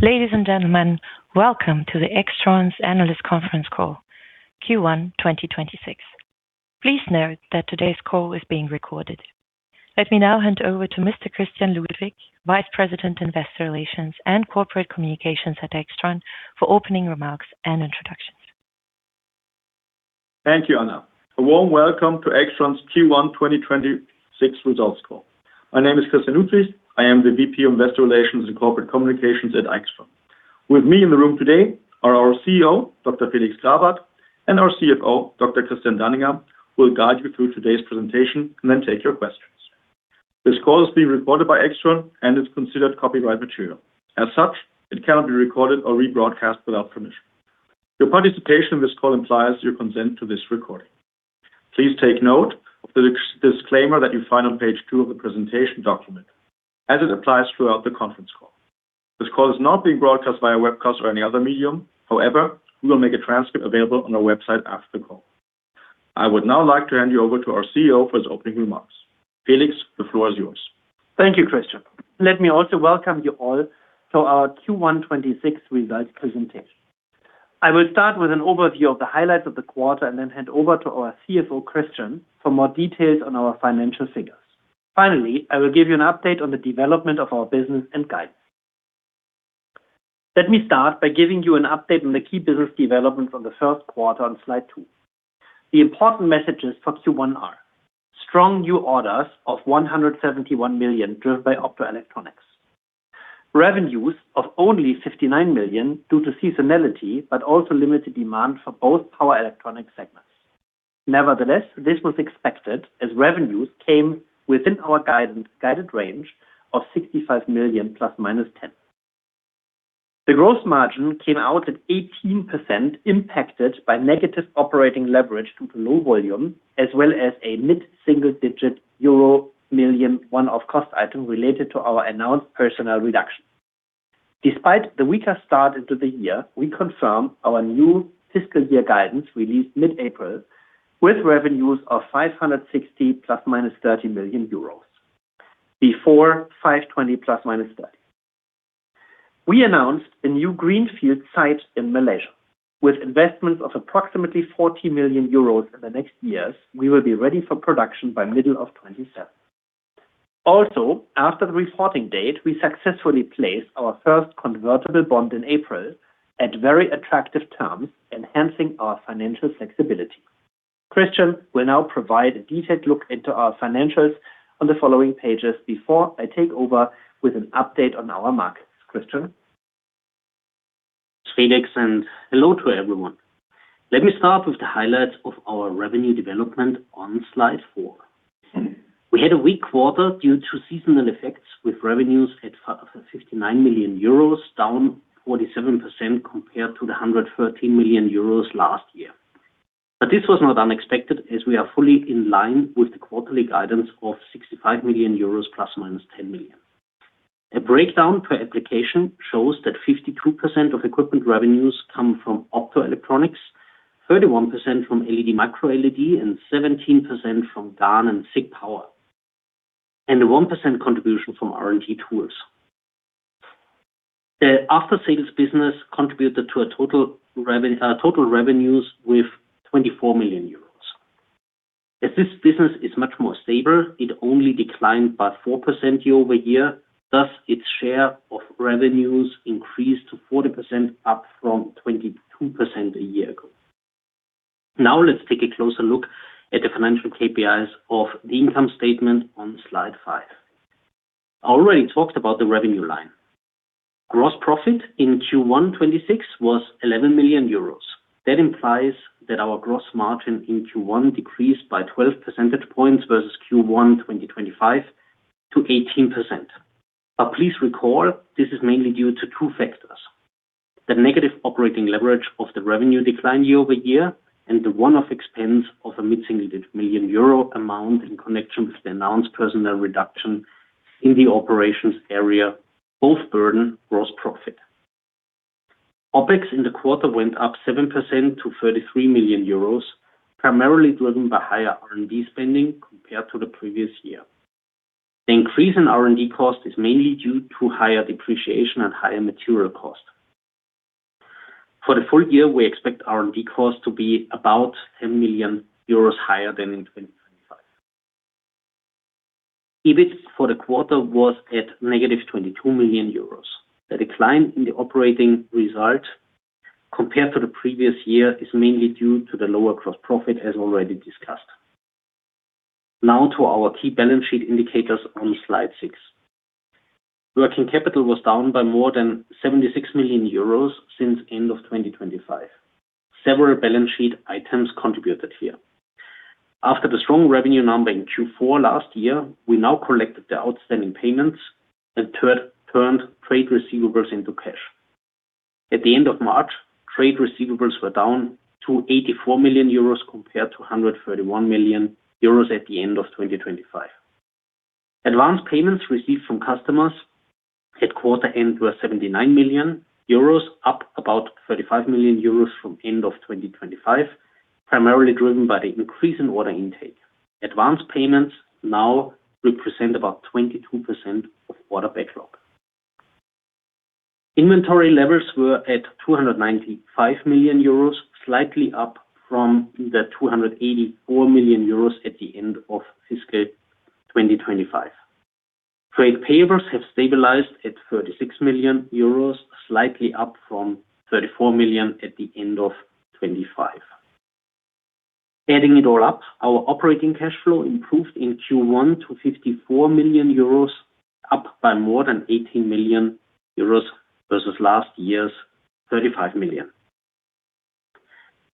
Ladies and gentlemen, welcome to the AIXTRON's Analyst Conference Call, Q1 2026. Please note that today's call is being recorded. Let me now hand over to Mr. Christian Ludwig, Vice President, Investor Relations and Corporate Communications at AIXTRON for opening remarks and introductions. Thank you, Anna. A warm welcome to AIXTRON's Q1 2026 Results Call. My name is Christian Ludwig. I am the VP of Investor Relations and Corporate Communications at AIXTRON. With me in the room today are our CEO, Dr. Felix Grawert, and our CFO, Dr. Christian Danninger, who will guide you through today's presentation and then take your questions. This call is being recorded by AIXTRON and is considered copyright material. As such, it cannot be recorded or rebroadcast without permission. Your participation in this call implies your consent to this recording. Please take note of the disclaimer that you find on page two of the presentation document as it applies throughout the conference call. This call is not being broadcast via webcast or any other medium. However, we will make a transcript available on our website after the call. I would now like to hand you over to our CEO for his opening remarks. Felix, the floor is yours. Thank you, Christian. Let me also welcome you all to our Q1 2026 Results Presentation. I will start with an overview of the highlights of the quarter and then hand over to our CFO, Christian, for more details on our financial figures. Finally, I will give you an update on the development of our business and guidance. Let me start by giving you an update on the key business developments on the first quarter on slide two. The important messages for Q1 are strong new orders of 171 million, driven by Optoelectronics. Revenues of only 59 million due to seasonality, but also limited demand for both power electronic segments. This was expected as revenues came within our guided range of 65 million ±10 million. The gross margin came out at 18%, impacted by negative operating leverage due to low volume as well as a mid-single-digit euro million one-off cost item related to our announced personnel reduction. Despite the weaker start into the year, we confirm our new fiscal year guidance released mid-April with revenues of 560 million ± 30 million euros, before 520 million ± 30 million. We announced a new greenfield site in Malaysia. With investments of approximately 40 million euros in the next years, we will be ready for production by middle of 2027. After the reporting date, we successfully placed our first convertible bond in April at very attractive terms, enhancing our financial flexibility. Christian will now provide a detailed look into our financials on the following pages before I take over with an update on our markets. Christian? Felix, and hello to everyone. Let me start with the highlights of our revenue development on slide four. We had a weak quarter due to seasonal effects with revenues at 59 million euros, down 47% compared to the 113 million euros last year. This was not unexpected as we are fully in line with the quarterly guidance of 65 million euros ±10 million. A breakdown per application shows that 52% of equipment revenues come from Optoelectronics, 31% from LED/Micro-LED, and 17% from GaN and SiC Power, and a 1% contribution from R&D tools. The after-sales business contributed to a total revenues with 24 million euros. As this business is much more stable, it only declined by 4% year-over-year, thus its share of revenues increased to 40%, up from 22% a year ago. Now let's take a closer look at the financial KPIs of the income statement on slide five. I already talked about the revenue line. Gross profit in Q1 2026 was 11 million euros. That implies that our gross margin in Q1 decreased by 12 percentage points versus Q1 2025 to 18%. Please recall, this is mainly due to two factors. The negative operating leverage of the revenue decline year-over-year and the one-off expense of a mid-single million EUR amount in connection with the announced personnel reduction in the operations area, both burden gross profit. OpEx in the quarter went up 7% to 33 million euros, primarily driven by higher R&D spending compared to the previous year. The increase in R&D cost is mainly due to higher depreciation and higher material cost. For the full year, we expect R&D cost to be about 10 million euros higher than in 2025. EBIT for the quarter was at negative 22 million euros. The decline in the operating result compared to the previous year is mainly due to the lower gross profit as already discussed. Now to our key balance sheet indicators on slide six. Working capital was down by more than 76 million euros since end of 2025. Several balance sheet items contributed here. After the strong revenue number in Q4 last year, we now collected the outstanding payments and turned trade receivables into cash. At the end of March, trade receivables were down to 84 million euros compared to 131 million euros at the end of 2025. Advanced payments received from customers at quarter end were 79 million euros. About 35 million euros from end of 2025, primarily driven by the increase in order intake. Advanced payments now represent about 22% of order backlog. Inventory levels were at 295 million euros, slightly up from the 284 million euros at the end of fiscal 2025. Trade payables have stabilized at 36 million euros, slightly up from 34 million at the end of 2025. Adding it all up, our operating cash flow improved in Q1 to 54 million euros, up by more than 18 million euros versus last year's 35 million.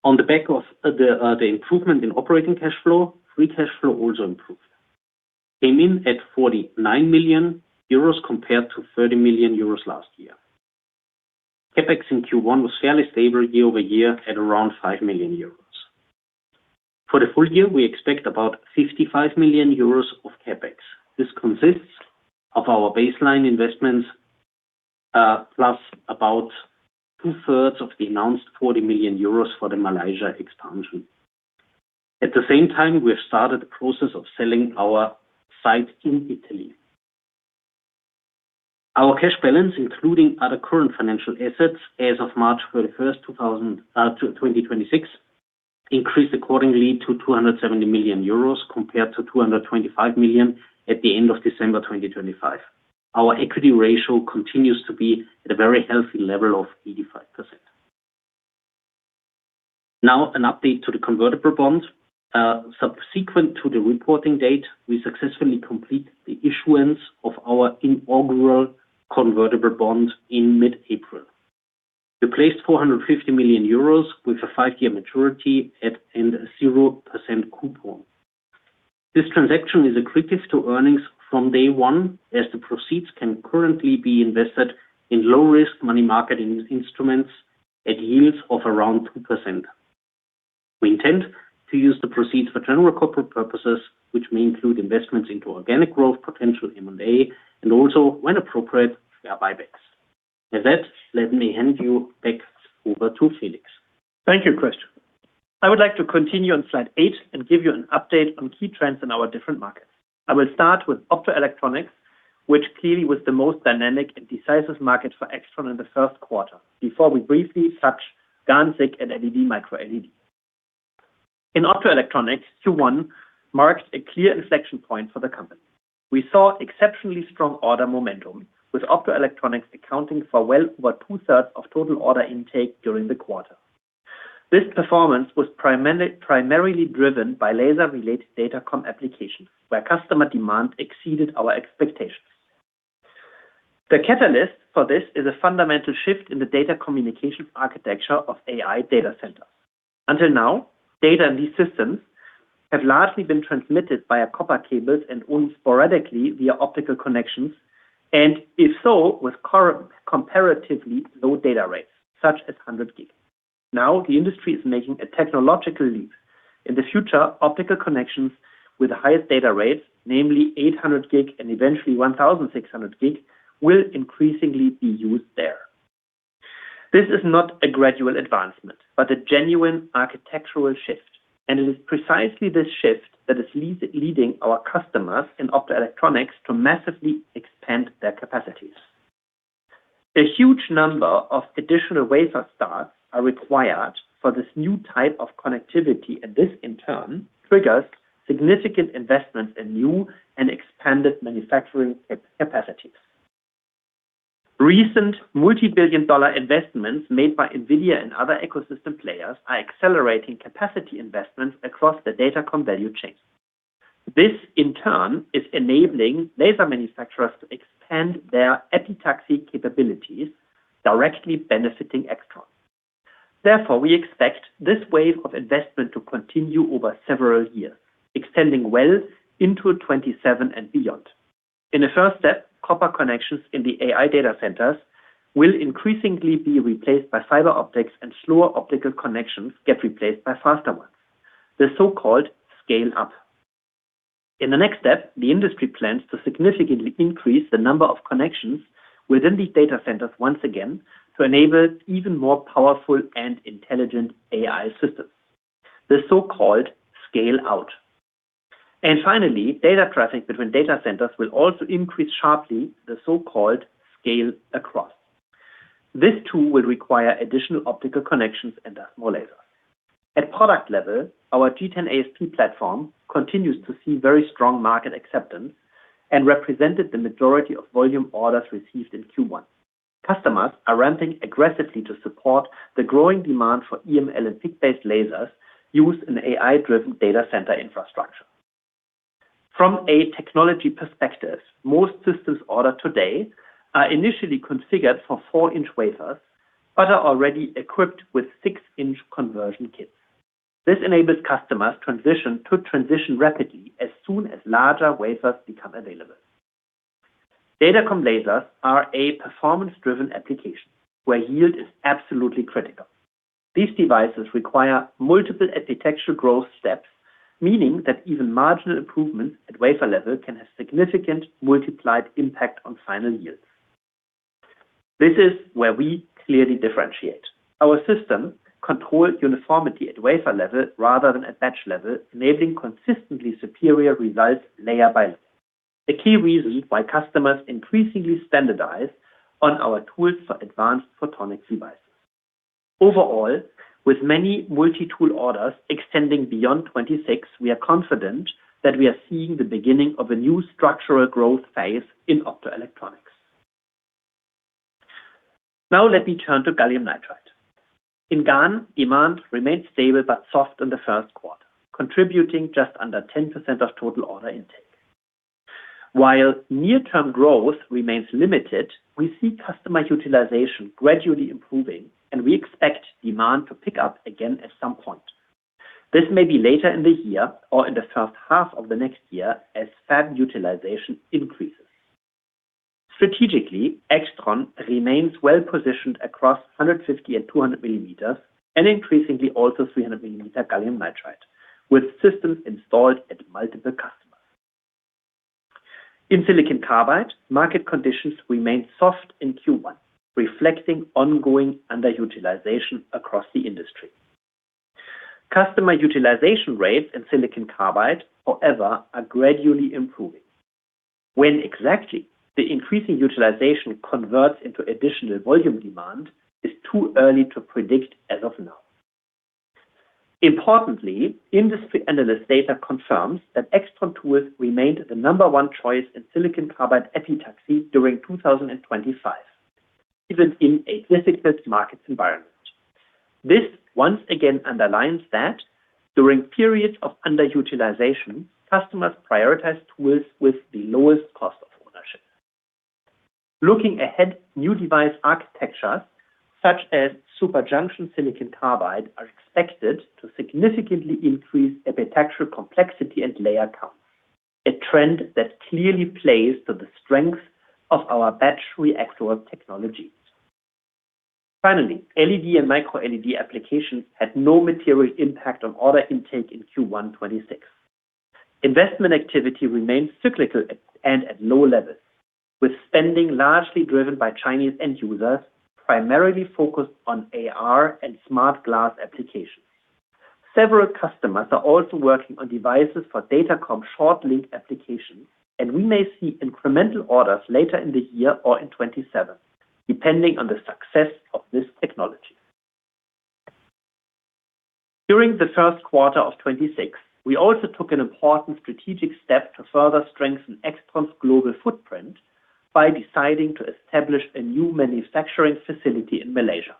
On the back of the improvement in operating cash flow, free cash flow also improved. Came in at 49 million euros compared to 30 million euros last year. CapEx in Q1 was fairly stable year-over-year at around 5 million euros. For the full year, we expect about 55 million euros of CapEx. This consists of our baseline investments, plus about two-thirds of the announced 40 million euros for the Malaysia expansion. At the same time, we have started the process of selling our site in Italy. Our cash balance, including other current financial assets as of March 31, 2026, increased accordingly to 270 million euros compared to 225 million at the end of December 2025. Our equity ratio continues to be at a very healthy level of 85%. Now an update to the convertible bonds. Subsequent to the reporting date, we successfully completed the issuance of our inaugural convertible bond in mid-April. Placed 450 million euros with a 5-year maturity at 0% coupon. This transaction is accretive to earnings from day one, as the proceeds can currently be invested in low-risk money market instruments at yields of around 2%. We intend to use the proceeds for general corporate purposes, which may include investments into organic growth, potential M&A, and also when appropriate, share buybacks. With that, let me hand you back over to Felix. Thank you, Christian. I would like to continue on slide eight and give you an update on key trends in our different markets. I will start with Optoelectronics, which clearly was the most dynamic and decisive market for AIXTRON in the first quarter, before we briefly touch GaN, SiC, and LED/Micro-LED. In Optoelectronics, Q1 marks a clear inflection point for the company. We saw exceptionally strong order momentum, with Optoelectronics accounting for well over two-thirds of total order intake during the quarter. This performance was primarily driven by laser-related datacom applications, where customer demand exceeded our expectations. The catalyst for this is a fundamental shift in the data communication architecture of AI data centers. Until now, data in these systems have largely been transmitted via copper cables and only sporadically via optical connections, and if so, with comparatively low data rates, such as 100 gig. The industry is making a technological leap. In the future, optical connections with the highest data rates, namely 800 gig and eventually 1,600 gig, will increasingly be used there. This is not a gradual advancement, but a genuine architectural shift, and it is precisely this shift that is leading our customers in Optoelectronics to massively expand their capacities. A huge number of additional wafer starts are required for this new type of connectivity. This in turn triggers significant investments in new and expanded manufacturing capacities. Recent multi-billion EUR investments made by NVIDIA and other ecosystem players are accelerating capacity investments across the datacom value chain. This, in turn, is enabling laser manufacturers to expand their epitaxy capabilities, directly benefiting AIXTRON. We expect this wave of investment to continue over several years, extending well into 2027 and beyond. In the first step, copper connections in the AI data centers will increasingly be replaced by fiber optics and slower optical connections get replaced by faster ones, the so-called scale-up. In the next step, the industry plans to significantly increase the number of connections within these data centers once again to enable even more powerful and intelligent AI systems, the so-called scale-out. Finally, data traffic between data centers will also increase sharply, the so-called scale-across. This too will require additional optical connections and more lasers. At product level, our G10-AsP platform continues to see very strong market acceptance and represented the majority of volume orders received in Q1. Customers are ramping aggressively to support the growing demand for EML and PIC-based lasers used in AI-driven data center infrastructure. From a technology perspective, most systems ordered today are initially configured for 4-inch wafers but are already equipped with 6-inch conversion kits. This enables customers to transition rapidly as soon as larger wafers become available. Datacom lasers are a performance-driven application where yield is absolutely critical. These devices require multiple epitaxial growth steps, meaning that even marginal improvements at wafer level can have significant multiplied impact on final yields. This is where we clearly differentiate. Our system controls uniformity at wafer level rather than at batch level, enabling consistently superior results layer by layer. The key reason why customers increasingly standardize on our tools for advanced photonics devices. Overall, with many multi-tool orders extending beyond 2026, we are confident that we are seeing the beginning of a new structural growth phase in Optoelectronics. Now let me turn to gallium nitride. In GaN, demand remained stable but soft in the first quarter, contributing just under 10% of total order intake. While near-term growth remains limited, we see customer utilization gradually improving, and we expect demand to pick up again at some point. This may be later in the year or in the 1st half of the next year as fab utilization increases. Strategically, AIXTRON remains well positioned across 150 and 200 millimeters and increasingly also 300 millimeter gallium nitride, with systems installed at multiple customers. In silicon carbide, market conditions remain soft in Q1, reflecting ongoing underutilization across the industry. Customer utilization rates in silicon carbide, however, are gradually improving. When exactly the increasing utilization converts into additional volume demand is too early to predict as of now. Importantly, industry analyst data confirms that AIXTRON tools remained the number one choice in silicon carbide epitaxy during 2025, even in a difficult market environment. This once again underlines that during periods of underutilization, customers prioritize tools with the lowest cost of ownership. Looking ahead, new device architectures such as super junction silicon carbide are expected to significantly increase epitaxial complexity and layer count, a trend that clearly plays to the strength of our batch reactor technology. Finally, LED and Micro-LED applications had no material impact on order intake in Q1 2026. Investment activity remains cyclical and at low levels, with spending largely driven by Chinese end users primarily focused on AR and smart glass applications. Several customers are also working on devices for datacom short link applications, and we may see incremental orders later in the year or in 2027, depending on the success of this technology. During the first quarter of 2026, we also took an important strategic step to further strengthen AIXTRON's global footprint by deciding to establish a new manufacturing facility in Malaysia.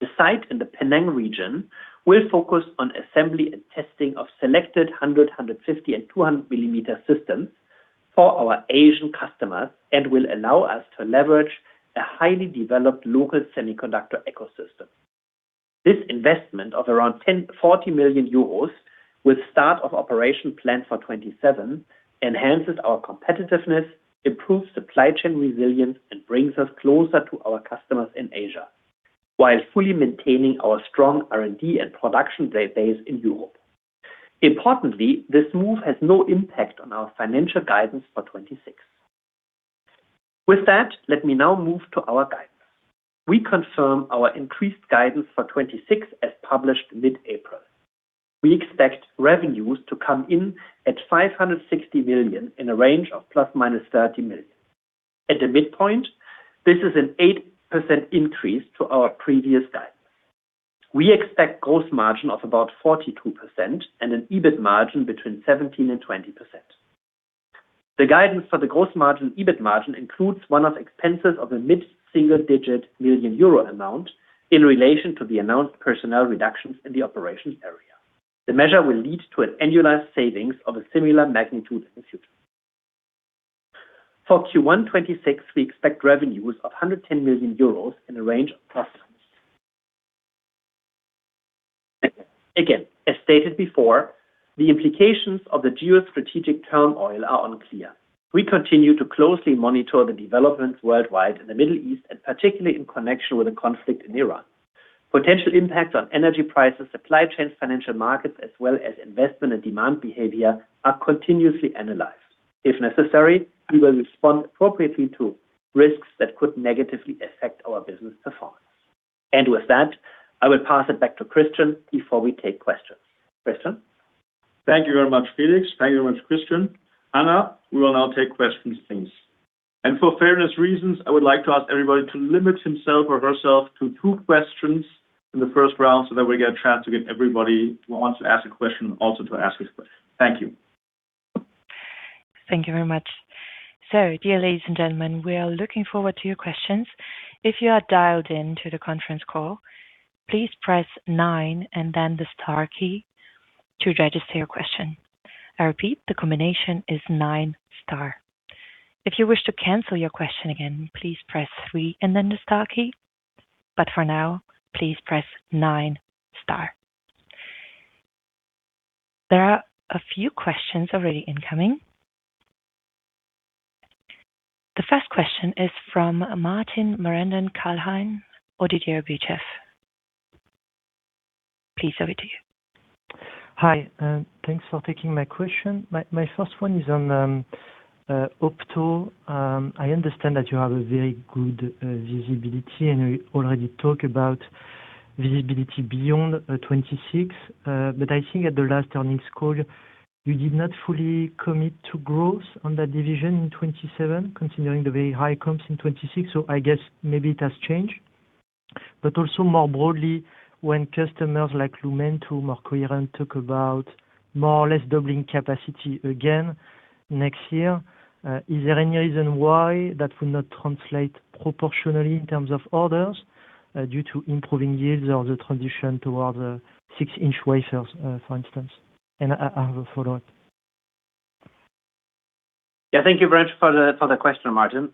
The site in the Penang region will focus on assembly and testing of selected 100, 150, and 200 millimeter systems for our Asian customers and will allow us to leverage a highly developed local semiconductor ecosystem. This investment of around 40 million euros with start of operation planned for 2027 enhances our competitiveness, improves supply chain resilience, and brings us closer to our customers in Asia while fully maintaining our strong R&D and production base in Europe. This move has no impact on our financial guidance for 2026. With that, let me now move to our guidance. We confirm our increased guidance for 2026 as published mid-April. We expect revenues to come in at 560 million in a range of ±30 million. At the midpoint, this is an 8% increase to our previous guidance. We expect gross margin of about 42% and an EBIT margin between 17% and 20%. The guidance for the gross margin, EBIT margin includes one-off expenses of a mid-single-digit million EUR amount in relation to the announced personnel reductions in the operations area. The measure will lead to an annualized savings of a similar magnitude in the future. For Q1 2026, we expect revenues of 110 million euros in a range of ±. As stated before, the implications of the geostrategic turmoil are unclear. We continue to closely monitor the developments worldwide in the Middle East, and particularly in connection with the conflict in Iran. Potential impacts on energy prices, supply chains, financial markets, as well as investment and demand behavior are continuously analyzed. If necessary, we will respond appropriately to risks that could negatively affect our business performance. And with that, I will pass it back to Christian before we take questions. Christian? Thank you very much, Felix. Thank you very much, Christian. Anna, we will now take questions, please. For fairness reasons, I would like to ask everybody to limit himself or herself to two questions in the first round, so that we get a chance to get everybody who wants to ask a question also to ask his question. Thank you. Thank you very much. Dear ladies and gentlemen, we are looking forward to your questions. If you are dialed into the conference call, please press nine and then the star key to register your question. I repeat, the combination is nine, star. If you wish to cancel your question again, please press three and then the star key. For now, please press nine, star. There are a few questions already incoming. The first question is from Martin Marandon-Carlhian, ODDO BHF. Please, over to you. Hi, thanks for taking my question. My first one is on Opto. I understand that you have a very good visibility, and you already talk about visibility beyond 2026. I think at the last earnings call, you did not fully commit to growth on that division in 2027, continuing the very high comps in 2026. I guess maybe it has changed. Also more broadly, when customers like Lumentum or Coherent talk about more or less doubling capacity again next year, is there any reason why that will not translate proportionally in terms of orders, due to improving yields or the transition to other 6-inch wafers, for instance? I have a follow-up. Yeah, thank you very much for the question, Martin.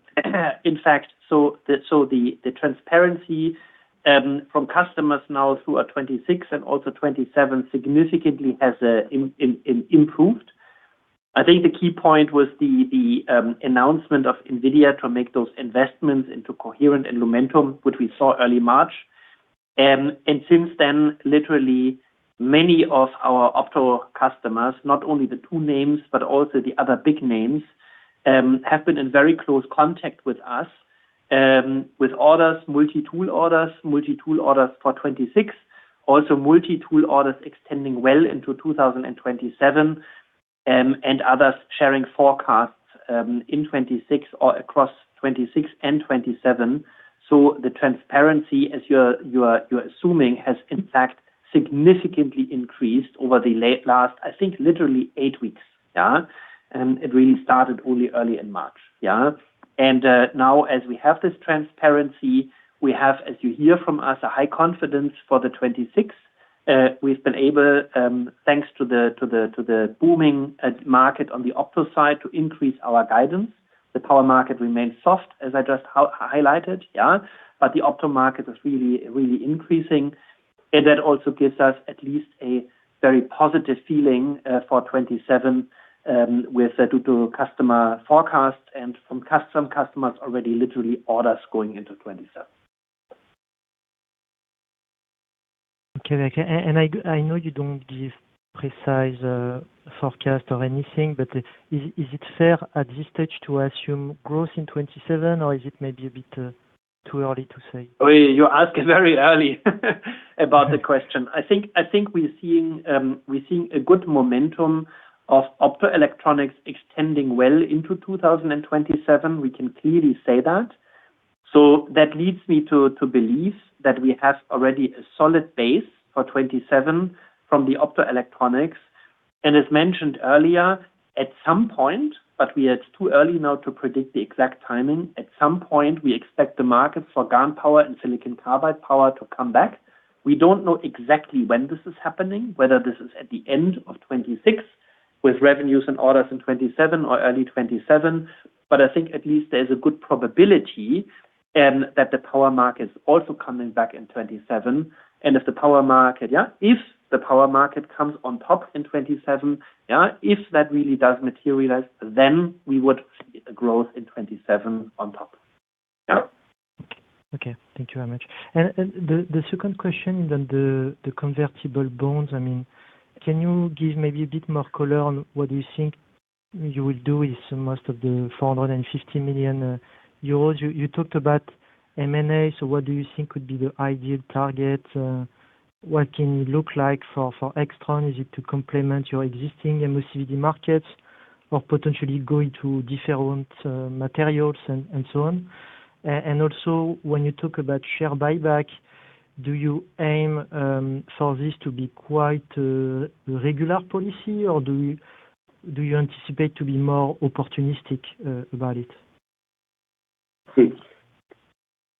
In fact, the transparency from customers now who are 2026 and also 2027 significantly has improved. I think the key point was the announcement of NVIDIA to make those investments into Coherent and Lumentum, which we saw early March. Since then, literally many of our Opto customers, not only the two names, but also the other big names, have been in very close contact with us with orders, multi-tool orders for 2026, also multi-tool orders extending well into 2027, and others sharing forecasts in 2026 or across 2026 and 2027. The transparency, as you're assuming, has in fact significantly increased over the last, I think, literally eight weeks. Yeah. It really started only early in March. Now as we have this transparency, we have, as you hear from us, a high confidence for 2026. We've been able, thanks to the booming market on the Opto side to increase our guidance. The power market remains soft, as I just highlighted. The Opto market is really, really increasing. That also gives us at least a very positive feeling for 2027 with due to customer forecast and from some customers already literally orders going into 2027. Okay. I know you don't give precise forecast or anything, but is it fair at this stage to assume growth in 2027 or is it maybe a bit too early to say? Oh, you're asking very early about the question. I think we're seeing a good momentum of Optoelectronics extending well into 2027. We can clearly say that. That leads me to believe that we have already a solid base for 2027 from the Optoelectronics. As mentioned earlier, at some point, but it's too early now to predict the exact timing, at some point, we expect the market for GaN power and silicon carbide power to come back. We don't know exactly when this is happening, whether this is at the end of 2026 with revenues and orders in 2027 or early 2027. I think at least there's a good probability that the power market is also coming back in 2027. If the power market comes on top in 2027, if that really does materialize, we would see the growth in 2027 on top. Okay. Thank you very much. The second question is on the convertible bonds. I mean, can you give maybe a bit more color on what you think you will do with most of the 450 million euros? You talked about M&A, so what do you think would be the ideal target? What can it look like for AIXTRON? Is it to complement your existing MOCVD markets or potentially go into different materials and so on? Also, when you talk about share buyback, do you aim for this to be quite a regular policy or do you anticipate to be more opportunistic about it?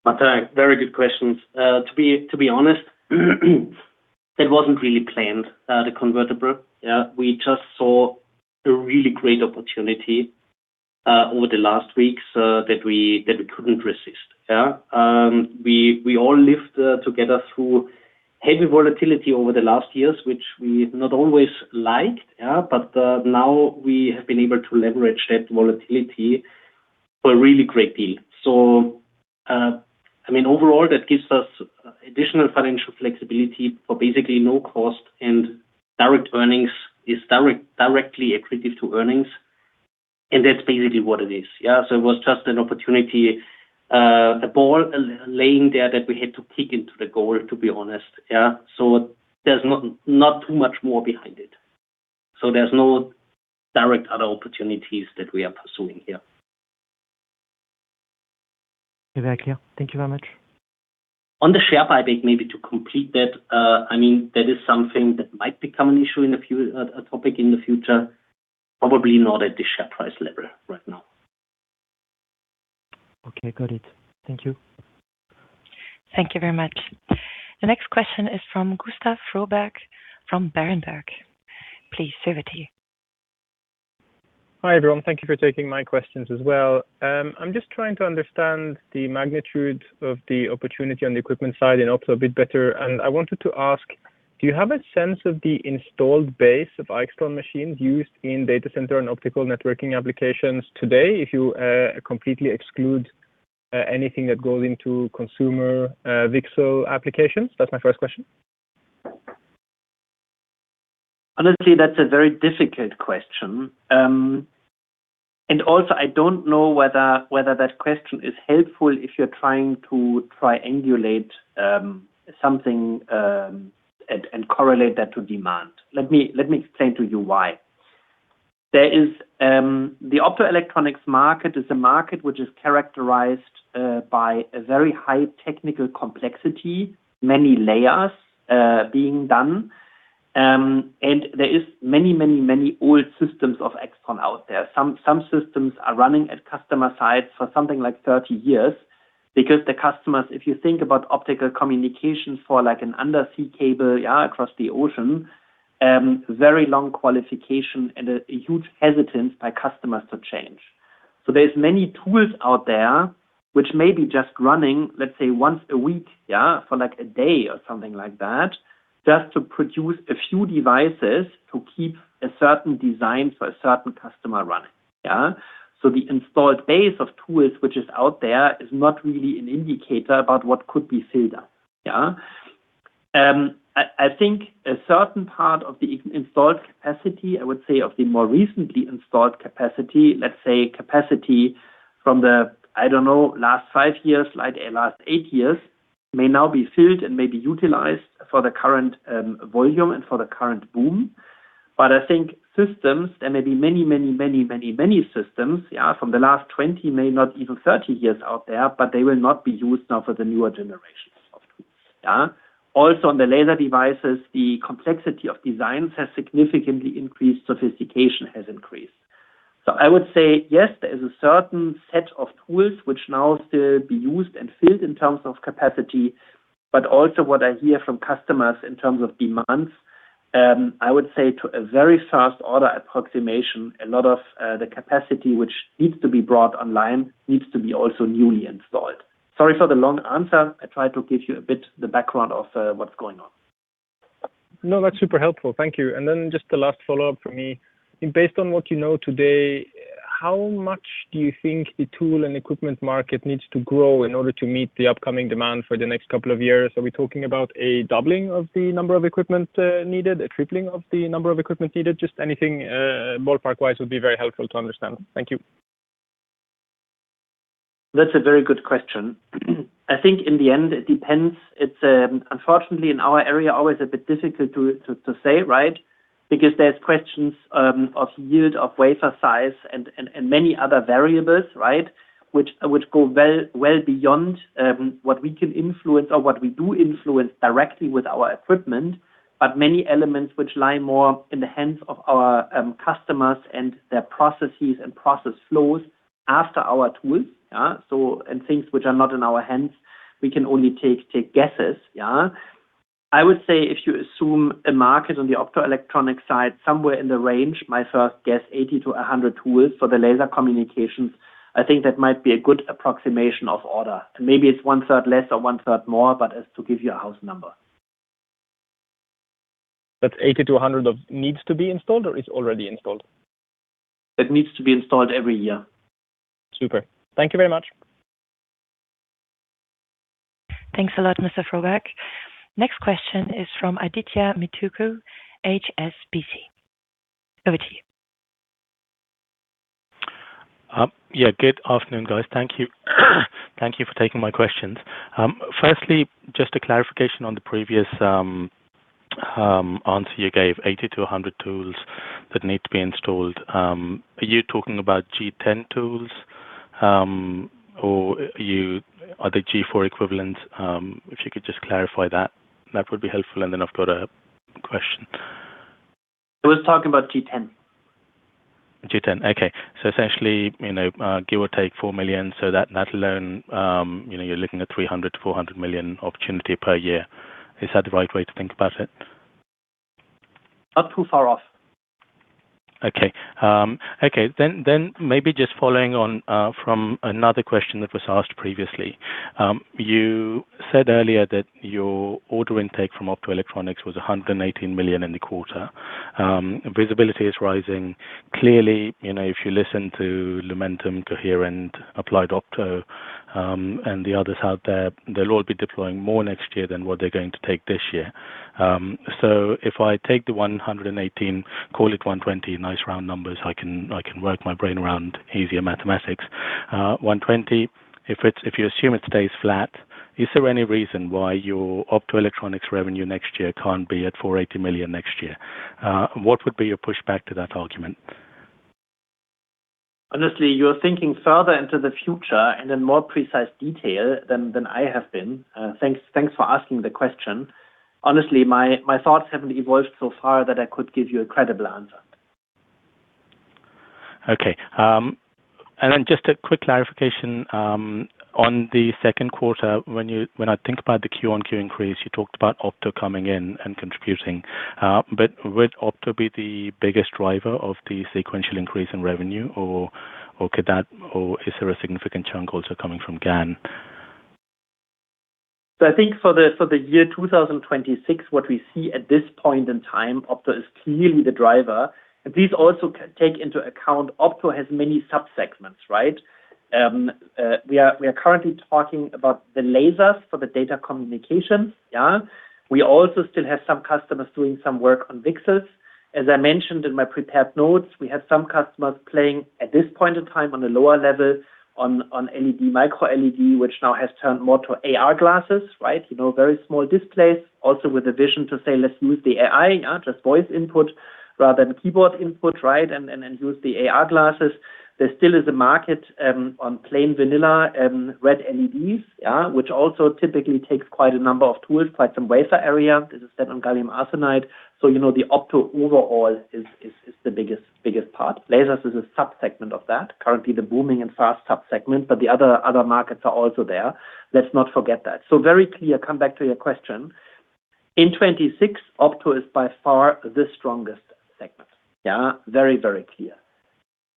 Martin, very good questions. To be honest, that wasn't really planned, the convertible. Yeah. We just saw a really great opportunity over the last weeks that we couldn't resist. Yeah. We all lived together through heavy volatility over the last years, which we not always liked, yeah, now we have been able to leverage that volatility for a really great deal. I mean, overall, that gives us additional financial flexibility for basically no cost, direct earnings is directly accretive to earnings, that's basically what it is. Yeah. It was just an opportunity, a ball laying there that we had to kick into the goal, to be honest. Yeah. There's not too much more behind it. There's no direct other opportunities that we are pursuing here. Exactly. Thank you very much. On the share buyback, maybe to complete that, I mean, that is something that might become a topic in the future. Probably not at the share price level right now. Okay. Got it. Thank you. Thank you very much. The next question is from Gustav Froberg from Berenberg. Please, over to you. Hi, everyone. Thank you for taking my questions as well. I'm just trying to understand the magnitude of the opportunity on the equipment side in Opto a bit better, and I wanted to ask. Do you have a sense of the installed base of AIXTRON machines used in data center and optical networking applications today if you completely exclude anything that goes into consumer, VCSEL applications? That's my first question. Honestly, that's a very difficult question. I don't know whether that question is helpful if you're trying to triangulate something and correlate that to demand. Let me explain to you why. There is the Optoelectronics market is a market which is characterized by a very high technical complexity, many layers being done. There is many old systems of AIXTRON out there. Some systems are running at customer sites for something like 30 years because the customers, if you think about optical communications for, like, an undersea cable, yeah, across the ocean, very long qualification and a huge hesitance by customers to change. There's many tools out there which may be just running, let's say, once a week, yeah, for, like, a day or something like that, just to produce a few devices to keep a certain design for a certain customer running. Yeah. The installed base of tools which is out there is not really an indicator about what could be filled up. Yeah. I think a certain part of the installed capacity, I would say, of the more recently installed capacity, let's say capacity from the, I don't know, last five years, like, last eight years, may now be filled and may be utilized for the current volume and for the current boom. I think systems, there may be many systems, yeah, from the last 20, may not even 30 years out there, but they will not be used now for the newer generations of tools. Yeah? On the laser devices, the complexity of designs has significantly increased, sophistication has increased. I would say yes, there is a certain set of tools which now still be used and filled in terms of capacity. Also what I hear from customers in terms of demands, I would say to a very first order approximation, a lot of the capacity which needs to be brought online needs to be also newly installed. Sorry for the long answer. I tried to give you a bit the background of what's going on. No, that's super helpful. Thank you. Just the last follow-up from me. Based on what you know today, how much do you think the tool and equipment market needs to grow in order to meet the upcoming demand for the next couple of years? Are we talking about a doubling of the number of equipment needed? A tripling of the number of equipment needed? Just anything ballpark-wise would be very helpful to understand. Thank you. That's a very good question. I think in the end, it depends. It's unfortunately in our area, always a bit difficult to say, right? Because there's questions of yield, of wafer size and many other variables, right? Which go well beyond what we can influence or what we do influence directly with our equipment. Many elements which lie more in the hands of our customers and their processes and process flows after our tools. Yeah. Things which are not in our hands, we can only take guesses. Yeah? I would say if you assume a market on the Optoelectronic side, somewhere in the range, my first guess, 80-100 tools for the laser communications. I think that might be a good approximation of order. Maybe it's one-third less or one-third more, but as to give you a house number. That's 80-100 of needs to be installed or is already installed? That needs to be installed every year. Super. Thank you very much. Thanks a lot, Mr. Froberg. Next question is from Adithya Metuku, HSBC. Over to you. Yeah, good afternoon, guys. Thank you for taking my questions. Firstly, just a clarification on the previous answer you gave, 80-100 tools that need to be installed. Are you talking about G10 tools, or are they G4 equivalent? If you could just clarify that would be helpful. Then I've got a question. I was talking about G10. G10. Okay. Essentially, you know, give or take 4 million, that alone, you know, you're looking at 300 million-400 million opportunity per year. Is that the right way to think about it? Not too far off. Okay. Okay. Maybe just following on from another question that was asked previously. You said earlier that your order intake from Optoelectronics was 118 million in the quarter. Visibility is rising. Clearly, you know, if you listen to Lumentum, Coherent, Applied Opto, and the others out there, they'll all be deploying more next year than what they're going to take this year. If I take the 118, call it 120, nice round numbers, I can work my brain around easier mathematics. 120, if you assume it stays flat, is there any reason why your Optoelectronics revenue next year can't be at 480 million next year? What would be your pushback to that argument? Honestly, you're thinking further into the future and in more precise detail than I have been. Thanks for asking the question. Honestly, my thoughts haven't evolved so far that I could give you a credible answer. Okay. Just a quick clarification, on the second quarter, when I think about the Q-on-Q increase, you talked about Opto coming in and contributing. Would Opto be the biggest driver of the sequential increase in revenue or is there a significant chunk also coming from GaN? I think for the, for the year 2026, what we see at this point in time, Opto is clearly the driver. Please also take into account Opto has many sub-segments, right? We are currently talking about the lasers for the data communication, yeah. We also still have some customers doing some work on VCSELs. As I mentioned in my prepared notes, we have some customers playing at this point in time on a lower level on LED, Micro-LED, which now has turned more to AR glasses, right? You know, very small displays. Also with a vision to say, let's use the AI, yeah, just voice input rather than keyboard input, right, and then use the AR glasses. There still is a market on plain vanilla red LEDs, yeah, which also typically takes quite a number of tools, quite some wafer area. This is set on gallium arsenide. You know, the Opto overall is the biggest part. Lasers is a sub-segment of that, currently the booming and fast sub-segment, the other markets are also there. Let's not forget that. Very clear, come back to your question. In 2026, Opto is by far the strongest segment. Yeah. Very clear.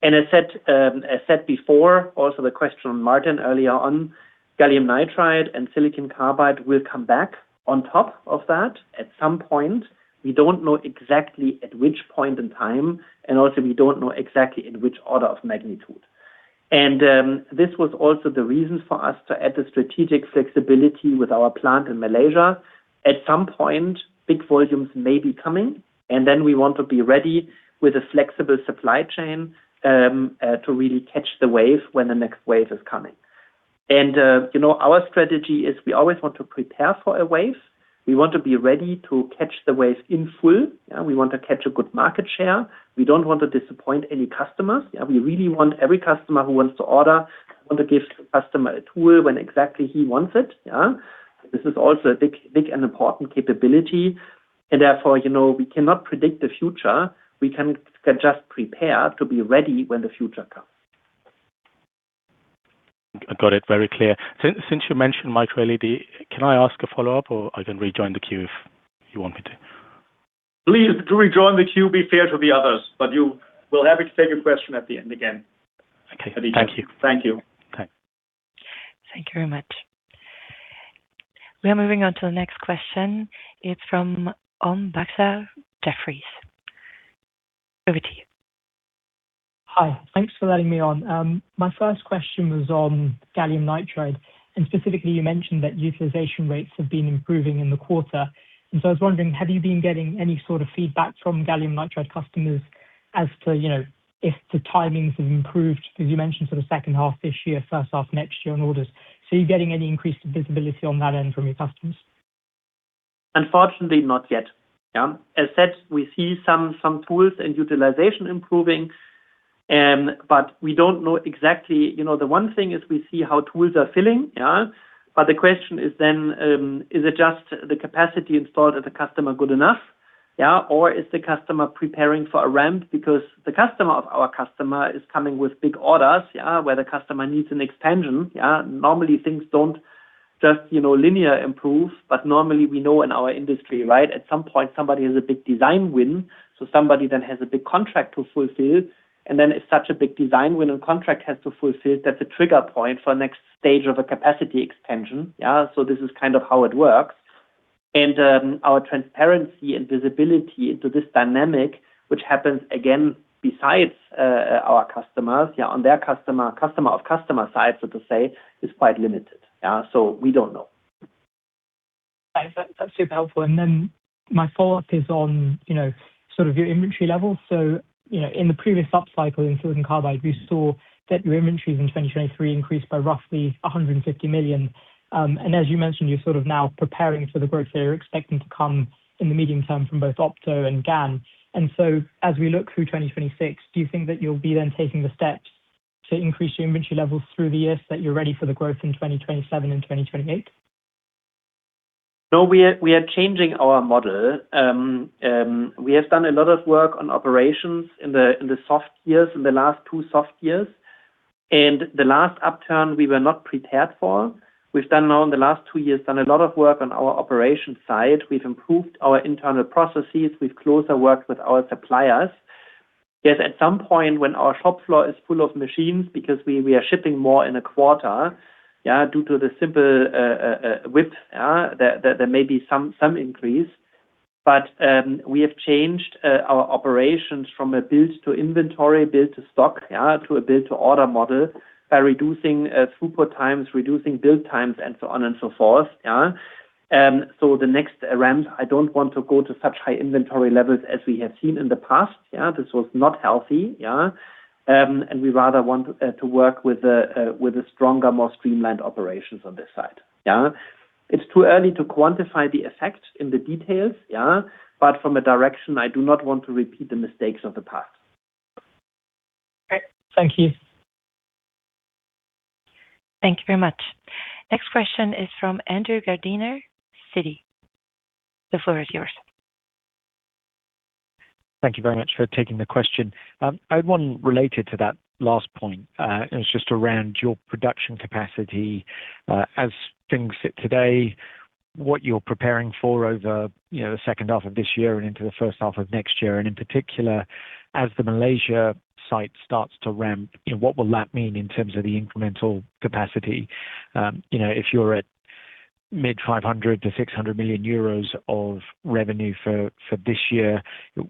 As said, as said before, also the question from Martin earlier on, gallium nitride and silicon carbide will come back on top of that at some point. We don't know exactly at which point in time, also we don't know exactly in which order of magnitude. This was also the reason for us to add the strategic flexibility with our plant in Malaysia. At some point, big volumes may be coming, and then we want to be ready with a flexible supply chain to really catch the wave when the next wave is coming. You know, our strategy is we always want to prepare for a wave. We want to be ready to catch the wave in full. Yeah. We want to catch a good market share. We don't want to disappoint any customers. Yeah. We really want every customer who wants to order, want to give customer a tool when exactly he wants it. Yeah. This is also a big and important capability. You know, we cannot predict the future. We can just prepare to be ready when the future comes. I got it very clear. Since you mentioned Micro-LED, can I ask a follow-up, or I can rejoin the queue if you want me to? Please do rejoin the queue. Be fair to the others, but you will have to take your question at the end again. Okay. Thank you. Thank you. Thanks. Thank you very much. We are moving on to the next question. It is from Om Bakhda, Jefferies. Over to you. Hi. Thanks for letting me on. My first question was on gallium nitride, and specifically, you mentioned that utilization rates have been improving in the quarter. I was wondering, have you been getting any sort of feedback from gallium nitride customers as to, you know, if the timings have improved? You mentioned sort of second half this year, first half next year on orders. Are you getting any increased visibility on that end from your customers? Unfortunately, not yet. Yeah. As said, we see some tools and utilization improving, but we don't know exactly. You know, the one thing is we see how tools are filling, yeah. The question is then, is it just the capacity installed at the customer good enough, yeah? Or is the customer preparing for a ramp? Because the customer of our customer is coming with big orders, yeah, where the customer needs an expansion, yeah. Normally, things don't just, you know, linear improve, but normally we know in our industry, right? At some point, somebody has a big design win, so somebody then has a big contract to fulfill, and then it's such a big design win and contract has to fulfill. That's a trigger point for next stage of a capacity expansion. Yeah. This is kind of how it works. Our transparency and visibility into this dynamic, which happens again besides our customers, yeah, on their customer of customer side, so to say, is quite limited. Yeah. We don't know. That's super helpful. My follow-up is on, you know, sort of your inventory levels. You know, in the previous upcycle in silicon carbide, we saw that your inventories in 2023 increased by roughly 150 million. As you mentioned, you're sort of now preparing for the growth that you're expecting to come in the medium term from both Opto and GaN. As we look through 2026, do you think that you'll be then taking the steps to increase your inventory levels through the years that you're ready for the growth in 2027 and 2028? We are changing our model. We have done a lot of work on operations in the soft years, in the last two soft years. The last upturn we were not prepared for. We've done now in the last two years, done a lot of work on our operations side. We've improved our internal processes. We've closer worked with our suppliers. Yes, at some point when our shop floor is full of machines because we are shipping more in a quarter, due to the simple width, there may be some increase. We have changed our operations from a build to inventory, build to stock, to a build to order model by reducing throughput times, reducing build times, and so on and so forth. The next ramp, I don't want to go to such high inventory levels as we have seen in the past. Yeah. This was not healthy. Yeah. We rather want to work with a stronger, more streamlined operations on this side. Yeah. It's too early to quantify the effect in the details. From a direction, I do not want to repeat the mistakes of the past. Great. Thank you. Thank you very much. Next question is from Andrew Gardiner, Citi. The floor is yours. Thank you very much for taking the question. I had one related to that last point. It was just around your production capacity. As things sit today. What you're preparing for over, you know, the second half of this year and into the first half of next year, and in particular, as the Malaysia site starts to ramp, you know, what will that mean in terms of the incremental capacity? You know, if you're at mid 500 million-600 million euros of revenue for this year,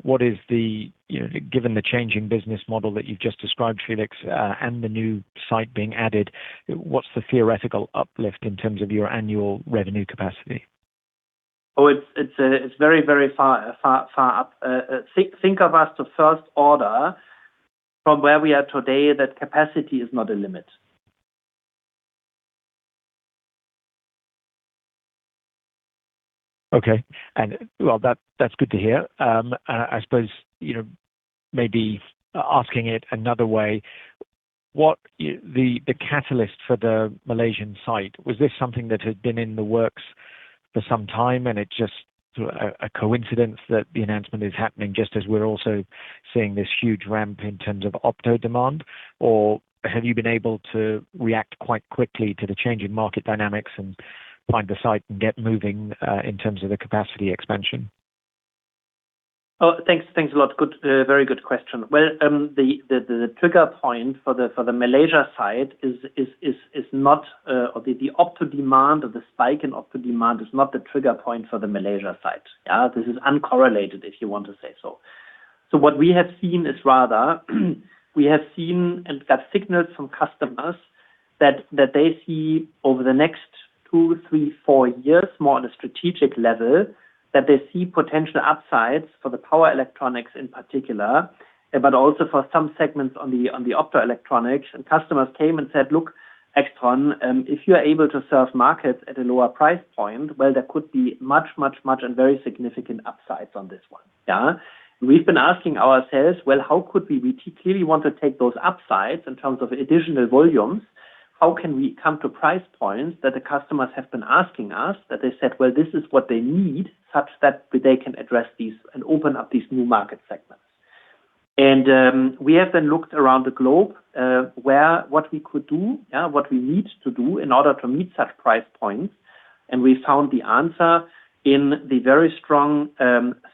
what is the, you know, given the changing business model that you've just described, Felix, and the new site being added, what's the theoretical uplift in terms of your annual revenue capacity? Oh, it's very far up. Think of us the first order from where we are today, that capacity is not a limit. Okay. Well, that's good to hear. I suppose, you know, maybe asking it another way, what the catalyst for the Malaysian site, was this something that had been in the works for some time, and it just a coincidence that the announcement is happening just as we're also seeing this huge ramp in terms of Opto demand? Have you been able to react quite quickly to the change in market dynamics and find the site and get moving in terms of the capacity expansion? Thanks. Thanks a lot. Good, very good question. Well, the trigger point for the Malaysia site is not, or the Opto demand or the spike in Opto demand is not the trigger point for the Malaysia site. Yeah. This is uncorrelated, if you want to say so. What we have seen is rather, we have seen and got signals from customers that they see over the next two, three, four years, more on a strategic level, that they see potential upsides for the power electronics in particular, but also for some segments on the Optoelectronics. Customers came and said, "Look, AIXTRON, if you are able to serve markets at a lower price point, well, there could be much, much, much and very significant upsides on this one." Yeah. We've been asking ourselves, "How could we?" We clearly want to take those upsides in terms of additional volumes. How can we come to price points that the customers have been asking us, that they said, this is what they need such that they can address these and open up these new market segments? We have then looked around the globe, where, what we could do, what we need to do in order to meet such price points. We found the answer in the very strong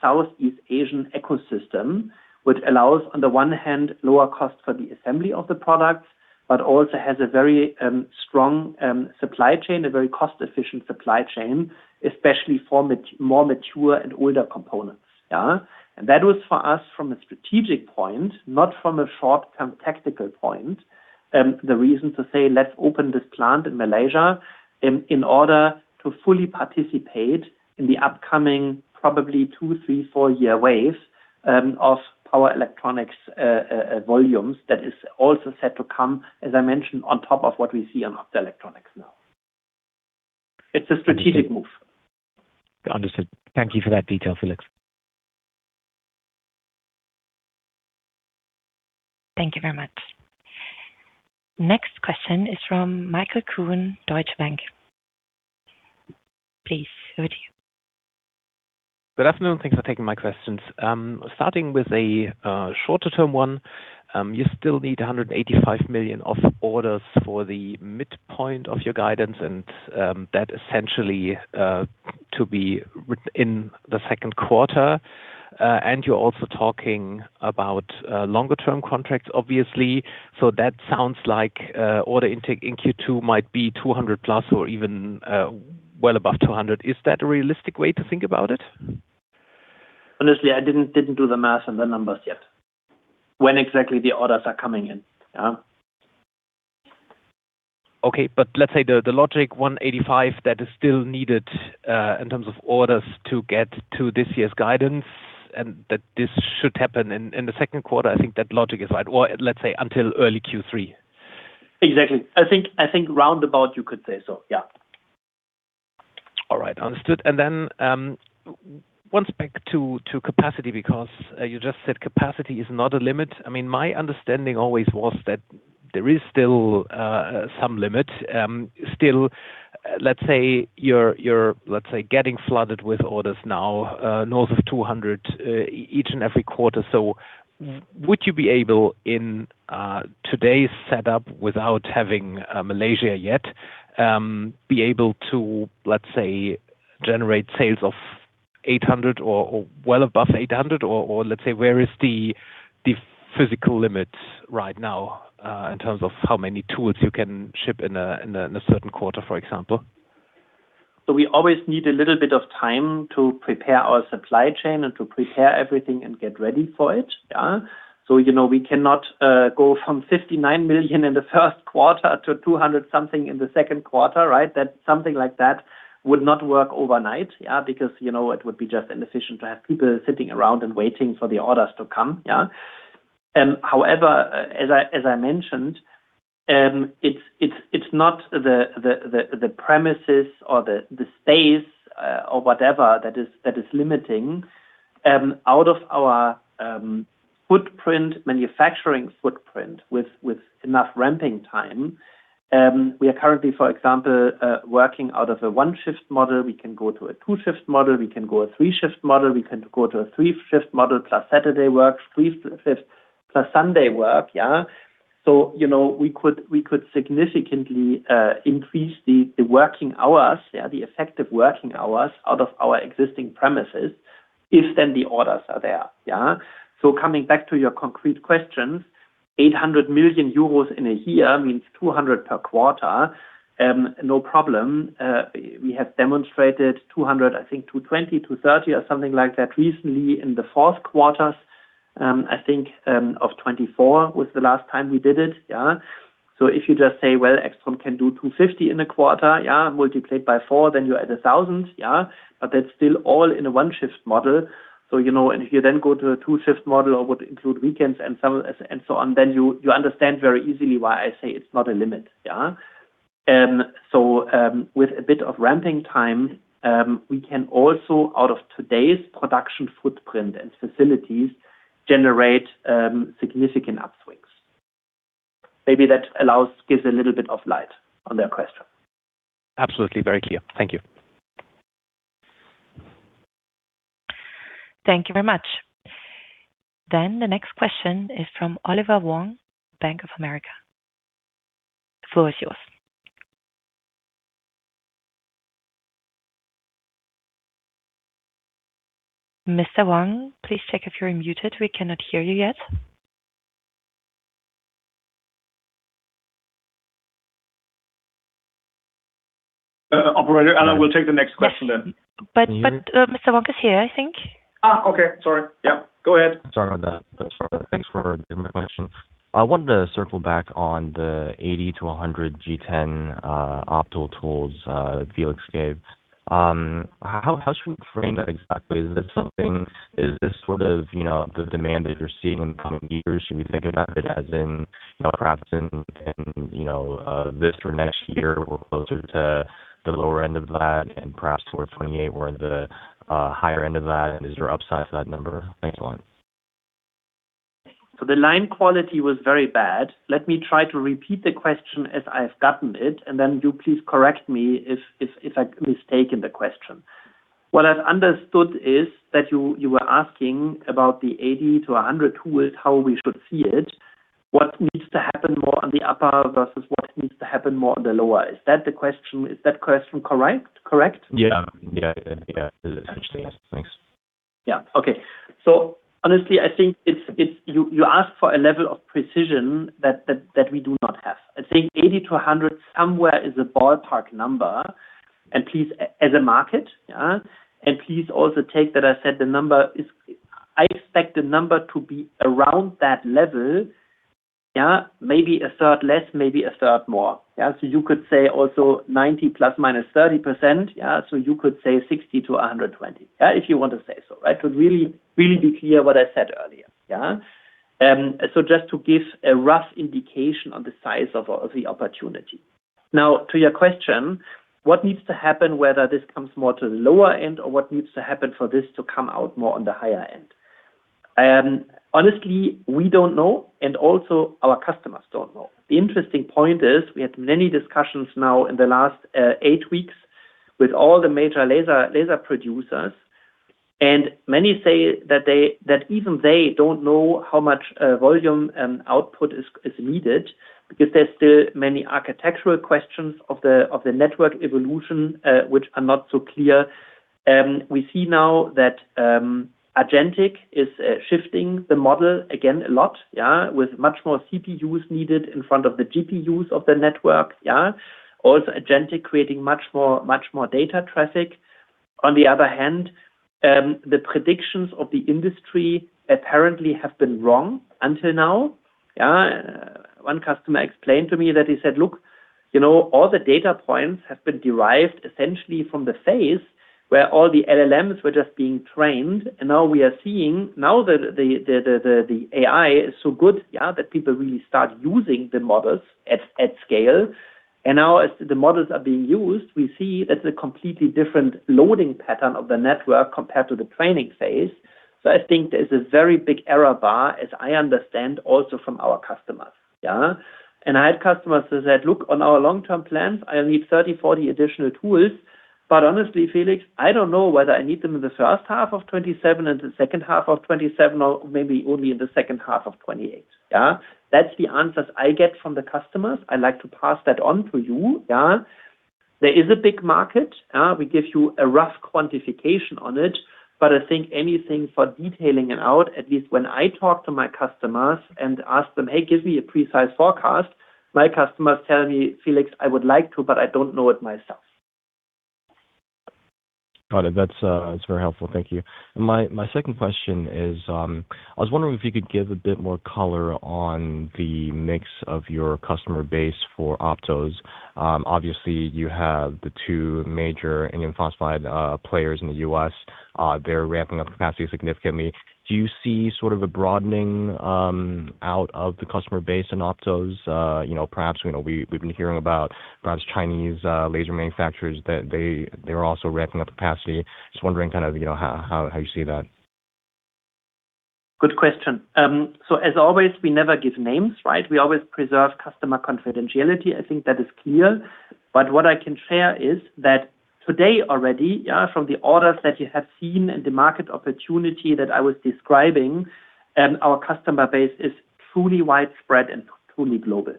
Southeast Asian ecosystem, which allows, on the one hand, lower cost for the assembly of the products, but also has a very strong supply chain, a very cost-efficient supply chain, especially for more mature and older components. That was for us from a strategic point, not from a short-term tactical point, the reason to say let's open this plant in Malaysia in order to fully participate in the upcoming probably two, three, 4-year wave of power electronics volumes that is also set to come, as I mentioned, on top of what we see on Optoelectronics now. It's a strategic move. Understood. Thank you for that detail, Felix. Thank you very much. Next question is from Michael Kuhn, Deutsche Bank. Please, over to you. Good afternoon. Thanks for taking my questions. Starting with a shorter term one, you still need 185 million of orders for the midpoint of your guidance and that essentially to be in the second quarter. You're also talking about longer term contracts, obviously. That sounds like order intake in Q2 might be 200+ or even well above 200. Is that a realistic way to think about it? Honestly, I didn't do the math and the numbers yet when exactly the orders are coming in. Yeah. Okay. Let's say the Logic 185 that is still needed in terms of orders to get to this year's guidance, and that this should happen in the second quarter, I think that logic is right. Let's say until early Q3. Exactly. I think roundabout you could say so. Yeah. All right. Understood. Then, once back to capacity, because you just said capacity is not a limit. I mean, my understanding always was that there is still some limit, still, let's say you're getting flooded with orders now, north of 200 million each and every quarter. Would you be able in today's setup without having Malaysia yet, be able to, let's say, generate sales of 800 million or well above 800 million, or let's say where is the physical limit right now in terms of how many tools you can ship in a certain quarter, for example? We always need a little bit of time to prepare our supply chain and to prepare everything and get ready for it. Yeah. You know, we cannot go from 59 million in the first quarter to 200 something in the second quarter, right? That something like that would not work overnight. Yeah. You know, it would be just inefficient to have people sitting around and waiting for the orders to come. Yeah. As I mentioned, it's not the premises or the space or whatever that is, that is limiting. Out of our footprint, manufacturing footprint with enough ramping time, we are currently, for example, working out of a 1-shift model. We can go to a 2-shift model. We can go a 3-shift model. We can go to a 3-shift model plus Saturday work. 3-shift plus Sunday work. You know, we could significantly increase the working hours, the effective working hours out of our existing premises if then the orders are there. Coming back to your concrete questions, 800 million euros in a year means 200 per quarter. No problem. We have demonstrated 200, I think 220, 230 or something like that recently in the fourth quarters, I think of 2024 was the last time we did it. If you just say, well, AIXTRON can do 250 in a quarter, multiplied by four, then you're at 1,000. That's still all in a 1-shift model. You know, and if you then go to a 2-shift model or would include weekends and so on, then you understand very easily why I say it's not a limit? With a bit of ramping time, we can also out of today's production footprint and facilities generate significant upswings. Maybe that gives a little bit of light on that question. Absolutely. Very clear. Thank you. Thank you very much. The next question is from Oliver Wong, Bank of America. The floor is yours. Mr. Wong, please check if you're unmuted. We cannot hear you yet. Operator, I will take the next question then. Mr. Wong is here, I think. Okay. Sorry. Yeah, go ahead. Sorry about that. Thanks for the question. I wanted to circle back on the 80-100 G10 Opto tools Felix gave. How should we frame that exactly? Is this sort of, you know, the demand that you're seeing in the coming years? Should we think about it as in, you know, perhaps in, you know, this or next year, we're closer to the lower end of that and perhaps toward 2028 we're in the higher end of that? Is there upside to that number? Thanks a lot. The line quality was very bad. Let me try to repeat the question as I've gotten it, and then you please correct me if I've mistaken the question. What I've understood is that you were asking about the 80-100 tools, how we should see it, what needs to happen more on the upper versus what needs to happen more on the lower. Is that the question? Is that question correct? Yeah. Yeah. Yeah. Essentially, yes. Thanks. Yeah. Okay. Honestly, I think you ask for a level of precision that we do not have. I think 80-100 somewhere is a ballpark number. Please, as a market, yeah? Please also take that I said I expect the number to be around that level. Yeah. Maybe a third less, maybe a third more. Yeah. You could say also 90+ minus 30%. Yeah. You could say 60-120. Yeah. If you want to say so. I could really be clear what I said earlier. Yeah. Just to give a rough indication on the size of the opportunity. Now to your question, what needs to happen, whether this comes more to the lower end or what needs to happen for this to come out more on the higher end? Honestly, we don't know, also our customers don't know. The interesting point is we had many discussions now in the last eight weeks with all the major laser producers, and many say that even they don't know how much volume and output is needed because there's still many architectural questions of the network evolution which are not so clear. We see now that generative AI is shifting the model again a lot, yeah, with much more CPUs needed in front of the GPUs of the network. Yeah. Also generative AI creating much more data traffic. On the other hand, the predictions of the industry apparently have been wrong until now. Yeah. One customer explained to me that he said, "Look, you know, all the data points have been derived essentially from the phase where all the LLMs were just being trained. Now we are seeing, now that the AI is so good, yeah, that people really start using the models at scale. Now as the models are being used, we see that's a completely different loading pattern of the network compared to the training phase." I think there's a very big error bar, as I understand also from our customers. Yeah. I had customers that said, "Look, on our long-term plans, I need 30, 40 additional tools. Honestly, Felix, I don't know whether I need them in the first half of 2027 and the second half of 2027, or maybe only in the second half of 2028." Yeah. That's the answers I get from the customers. I like to pass that on to you. Yeah. There is a big market. Yeah. We give you a rough quantification on it, but I think anything for detailing it out, at least when I talk to my customers and ask them, "Hey, give me a precise forecast," my customers tell me, "Felix, I would like to, but I don't know it myself. Got it. That's very helpful. Thank you. My second question is, I was wondering if you could give a bit more color on the mix of your customer base for Optos. Obviously, you have the two major indium phosphide players in the U.S. They're ramping up capacity significantly. Do you see sort of a broadening out of the customer base in Optos? You know, perhaps, you know, we've been hearing about perhaps Chinese laser manufacturers that they're also ramping up capacity. Just wondering kind of, you know, how you see that. Good question. As always, we never give names, right? We always preserve customer confidentiality. I think that is clear. What I can share is that today already, from the orders that you have seen and the market opportunity that I was describing, our customer base is truly widespread and truly global.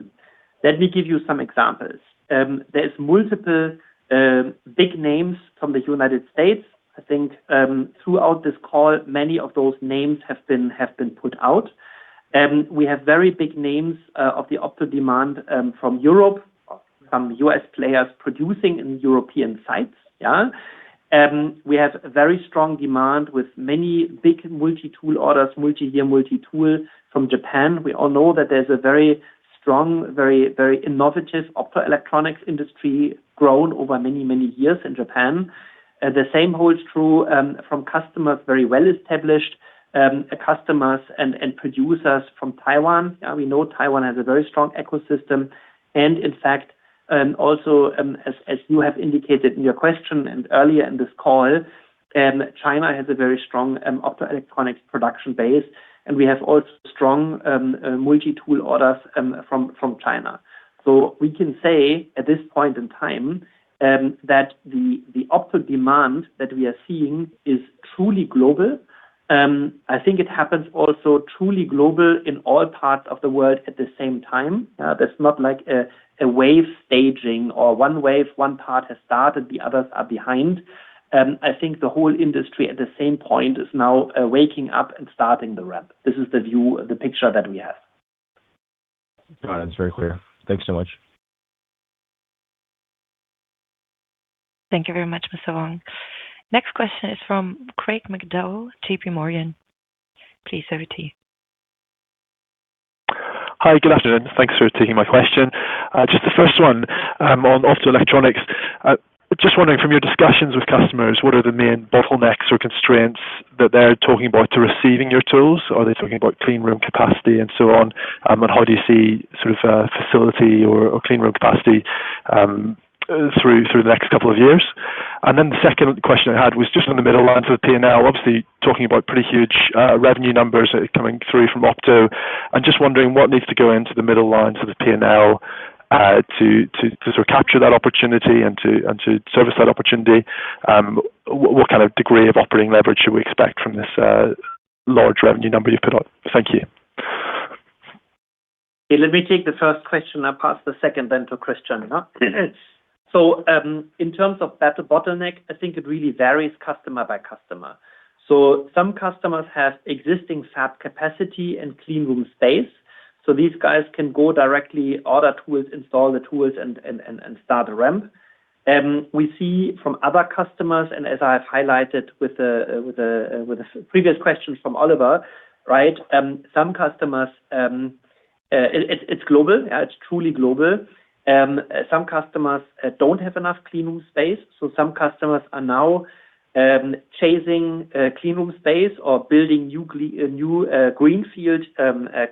Let me give you some examples. There's multiple big names from the United States. I think, throughout this call, many of those names have been put out. We have very big names of the Opto demand from Europe, some U.S. players producing in European sites. We have a very strong demand with many big multi-tool orders, multi-year multi-tool from Japan. We all know that there's a very strong, very innovative Optoelectronics industry grown over many years in Japan. The same holds true from customers, very well-established customers and producers from Taiwan. Yeah, we know Taiwan has a very strong ecosystem. In fact, also, as you have indicated in your question and earlier in this call, China has a very strong Optoelectronics production base, and we have also strong multi-tool orders from China. We can say at this point in time that the Opto demand that we are seeing is truly global. I think it happens also truly global in all parts of the world at the same time. There's not like a wave staging or one wave, one part has started, the others are behind. I think the whole industry at the same point is now waking up and starting the ramp. This is the view, the picture that we have. Got it. It is very clear. Thanks so much. Thank you very much, Mr. Wong. Next question is from Craig McDowell, JPMorgan. Please over to you. Hi. Good afternoon. Thanks for taking my question. Just the first one on Optoelectronics. Just wondering from your discussions with customers, what are the main bottlenecks or constraints that they're talking about to receiving your tools? Are they talking about clean room capacity and so on? How do you see sort of facility or clean room capacity through the next couple of years? The second question I had was just on the middle line for the P&L. Obviously, talking about pretty huge revenue numbers coming through from Opto. I'm just wondering what needs to go into the middle line for the P&L to sort of capture that opportunity and to service that opportunity? What kind of degree of operating leverage should we expect from this large revenue number you've put on? Thank you. Let me take the first question. I'll pass the second then to Christian, yeah? In terms of that bottleneck, I think it really varies customer by customer. Some customers have existing fab capacity and clean room space, so these guys can go directly order tools, install the tools, and start the ramp. We see from other customers, and as I have highlighted with the previous question from Oliver, right? Some customers, it's global. It's truly global. Some customers don't have enough clean room space, so some customers are now chasing clean room space or building a new greenfield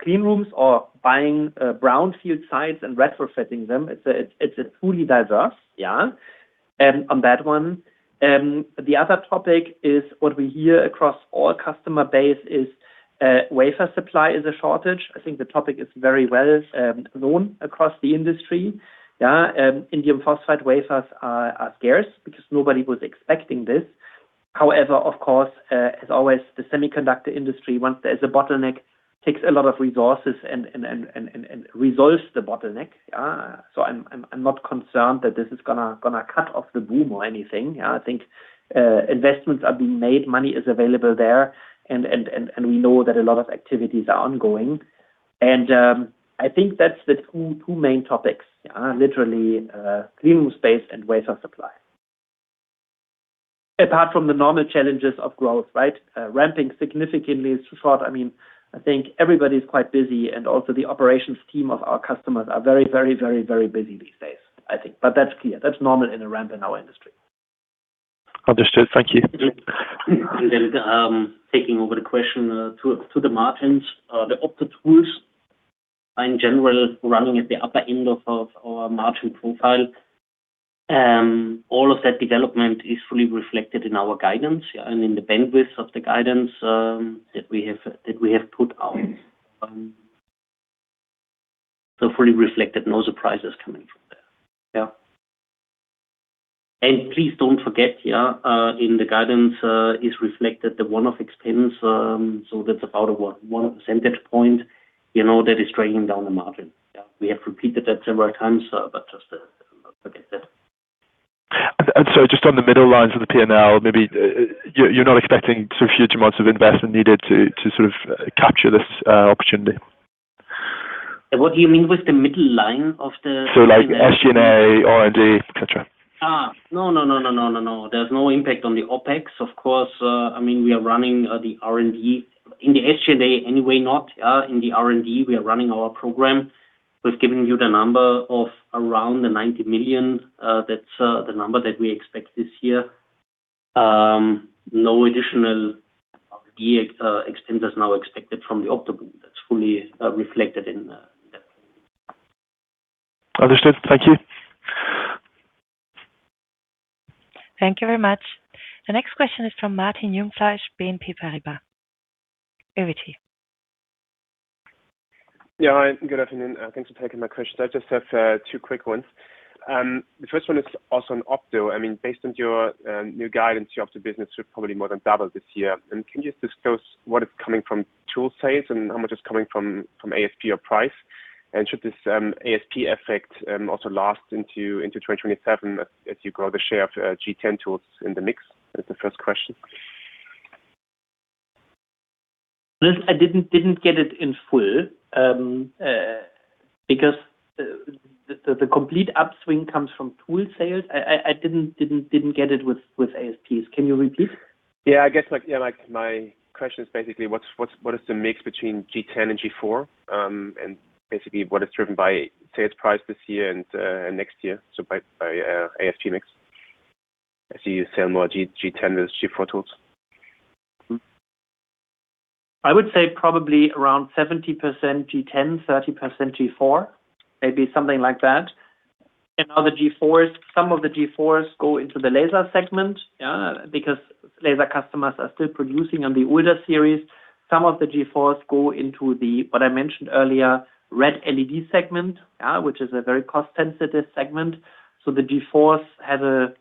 clean rooms or buying brownfield sites and retrofitting them. It's a truly diverse, yeah, on that one. The other topic is what we hear across all customer base is, wafer supply is a shortage. I think the topic is very well known across the industry. Yeah. Indium phosphide wafers are scarce because nobody was expecting this. However, of course, as always, the semiconductor industry, once there's a bottleneck, takes a lot of resources and resolves the bottleneck. I'm not concerned that this is gonna cut off the boom or anything. Yeah, I think investments are being made, money is available there, and we know that a lot of activities are ongoing. I think that's the two main topics. Yeah. Literally, clean room space and wafer supply. Apart from the normal challenges of growth, right? Ramping significantly is short. I mean, I think everybody's quite busy, and also the operations team of our customers are very, very, very, very busy these days, I think. That's clear. That's normal in a ramp in our industry. Understood. Thank you. Taking over the question to the margins. The Opto tools are in general running at the upper end of our margin profile. All of that development is fully reflected in our guidance, yeah, and in the bandwidth of the guidance that we have put out. Fully reflected. No surprises coming from there. Yeah. Please don't forget, yeah, in the guidance is reflected the one-off expense. That's about, what? 1 percentage point, you know, that is dragging down the margin. Yeah. We have repeated that several times, but just don't forget that. Just on the middle lines of the P&L, maybe, you're not expecting sort of huge amounts of investment needed to sort of, capture this, opportunity? What do you mean? What's the middle line of the P&L? Like SG&A, R&D, et cetera. No, no, no, no. There's no impact on the OpEx. Of course, I mean, we are running the R&D. In the SG&A anyway not. In the R&D, we are running our program. We've given you the number of around 90 million. That's the number that we expect this year. No additional CapEx spend is now expected from the Opto. That's fully reflected in, yeah. Understood. Thank you. Thank you very much. The next question is from Martin Jungfleisch, BNP Paribas. Over to you. Yeah. Hi, good afternoon. Thanks for taking my questions. I just have two quick ones. The first one is also on Opto. I mean, based on your new guidance, your Opto business will probably more than double this year. Can you just disclose what is coming from tool sales and how much is coming from ASP or price? Should this ASP effect also last into 2027 as you grow the share of G10 tools in the mix? That's the first question. I didn't get it in full because the complete upswing comes from tool sales. I didn't get it with ASPs. Can you repeat? Yeah, I guess, like, my question is basically what is the mix between G10 and G4, and basically what is driven by sales price this year and next year, so by ASP mix as you sell more G10 than G4 tools? I would say probably around 70% G10, 30% G4. Maybe something like that. Other G4s, some of the G4s go into the laser segment because laser customers are still producing on the older series. Some of the G4s go into the, what I mentioned earlier, red LED segment, which is a very cost-sensitive segment. The G4s has a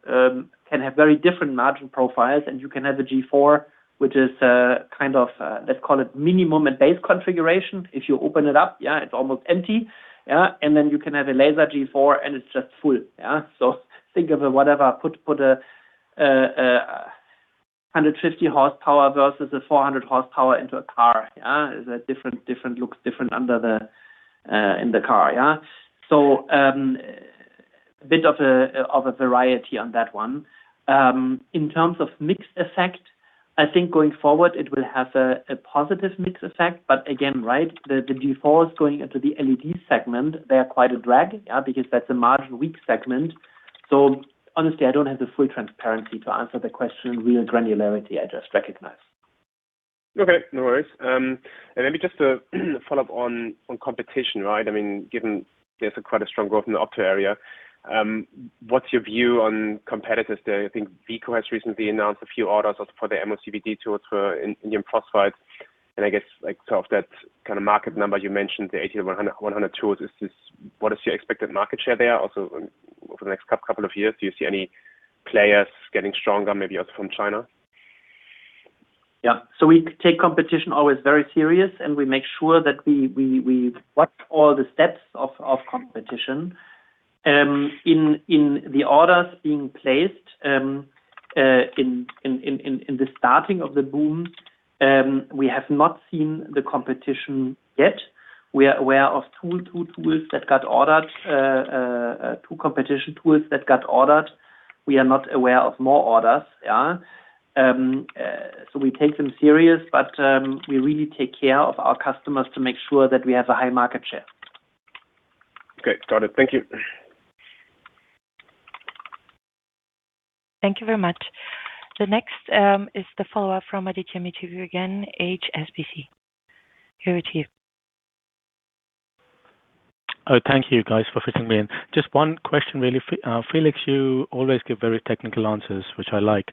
can have very different margin profiles, and you can have a G4, which is kind of, let's call it minimum and base configuration. If you open it up, it's almost empty. Then you can have a laser G4, and it's just full. Think of a whatever, put a 150 horsepower versus a 400 horsepower into a car. It's a different looks different under the in the car. A bit of a, of a variety on that one. In terms of mix effect, I think going forward it will have a positive mix effect. Again, right, the G4s going into the LED segment, they are quite a drag, yeah, because that's a margin-weak segment. Honestly, I don't have the full transparency to answer the question with granularity. I just recognize. Okay. No worries. Maybe just a follow-up on competition, right? I mean, given there's a quite a strong growth in the Opto area, what's your view on competitors there? I think Veeco has recently announced a few orders also for their MOCVD tools for indium phosphide. I guess, like, sort of that kind of market number you mentioned, the 80-100 tools, what is your expected market share there also over the next couple of years? Do you see any players getting stronger, maybe also from China? Yeah. We take competition always very serious, and we make sure that we watch all the steps of competition. In the orders being placed, in the starting of the boom, we have not seen the competition yet. We are aware of tools that got ordered. Two competition tools that got ordered. We are not aware of more orders. Yeah. We take them serious, but we really take care of our customers to make sure that we have a high market share. Okay. Got it. Thank you. Thank you very much. The next is the follow-up from Adithya Metuku again, HSBC. Over to you. Oh, thank you guys for fitting me in. Just one question really. Felix, you always give very technical answers, which I like.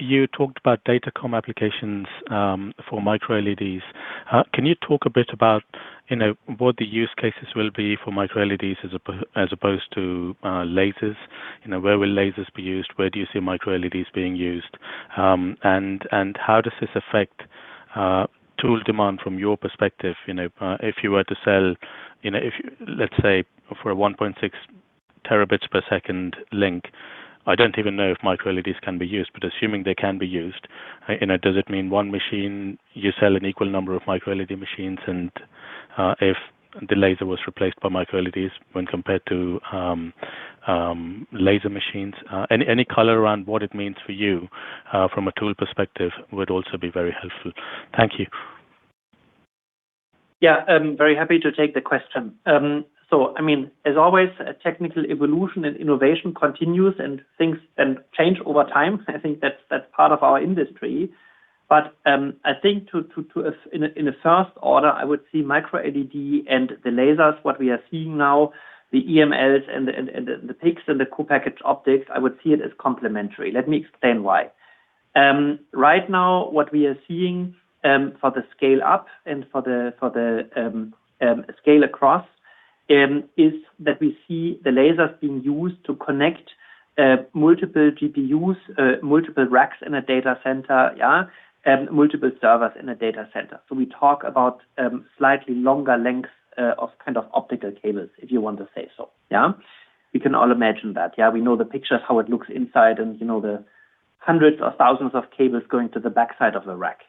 You talked about datacom applications for Micro-LEDs. Can you talk a bit about, you know, what the use cases will be for Micro-LEDs as opposed to lasers? You know, where will lasers be used? Where do you see Micro-LEDs being used? How does this affect tool demand from your perspective? You know, if you were to sell, you know, let's say for a 1.6 terabits per second link, I don't even know if Micro-LEDs can be used, but assuming they can be used, you know, does it mean one machine, you sell an equal number of Micro-LED machines and, if the laser was replaced by Micro-LEDs when compared to, laser machines? Any, any color around what it means for you, from a tool perspective would also be very helpful. Thank you. Yeah. I'm very happy to take the question. I mean, as always, technical evolution and innovation continues and things change over time. I think that's part of our industry. I think in a first order, I would see Micro-LED and the lasers, what we are seeing now, the EMLs and the PICs and the co-packaged optics, I would see it as complementary. Let me explain why. Right now, what we are seeing, for the scale-up and for the scale-across, is that we see the lasers being used to connect multiple GPUs, multiple racks in a data center, and multiple servers in a data center. We talk about slightly longer lengths of kind of optical cables, if you want to say so. We can all imagine that. We know the pictures, how it looks inside and, you know, the hundreds of thousands of cables going to the backside of a rack.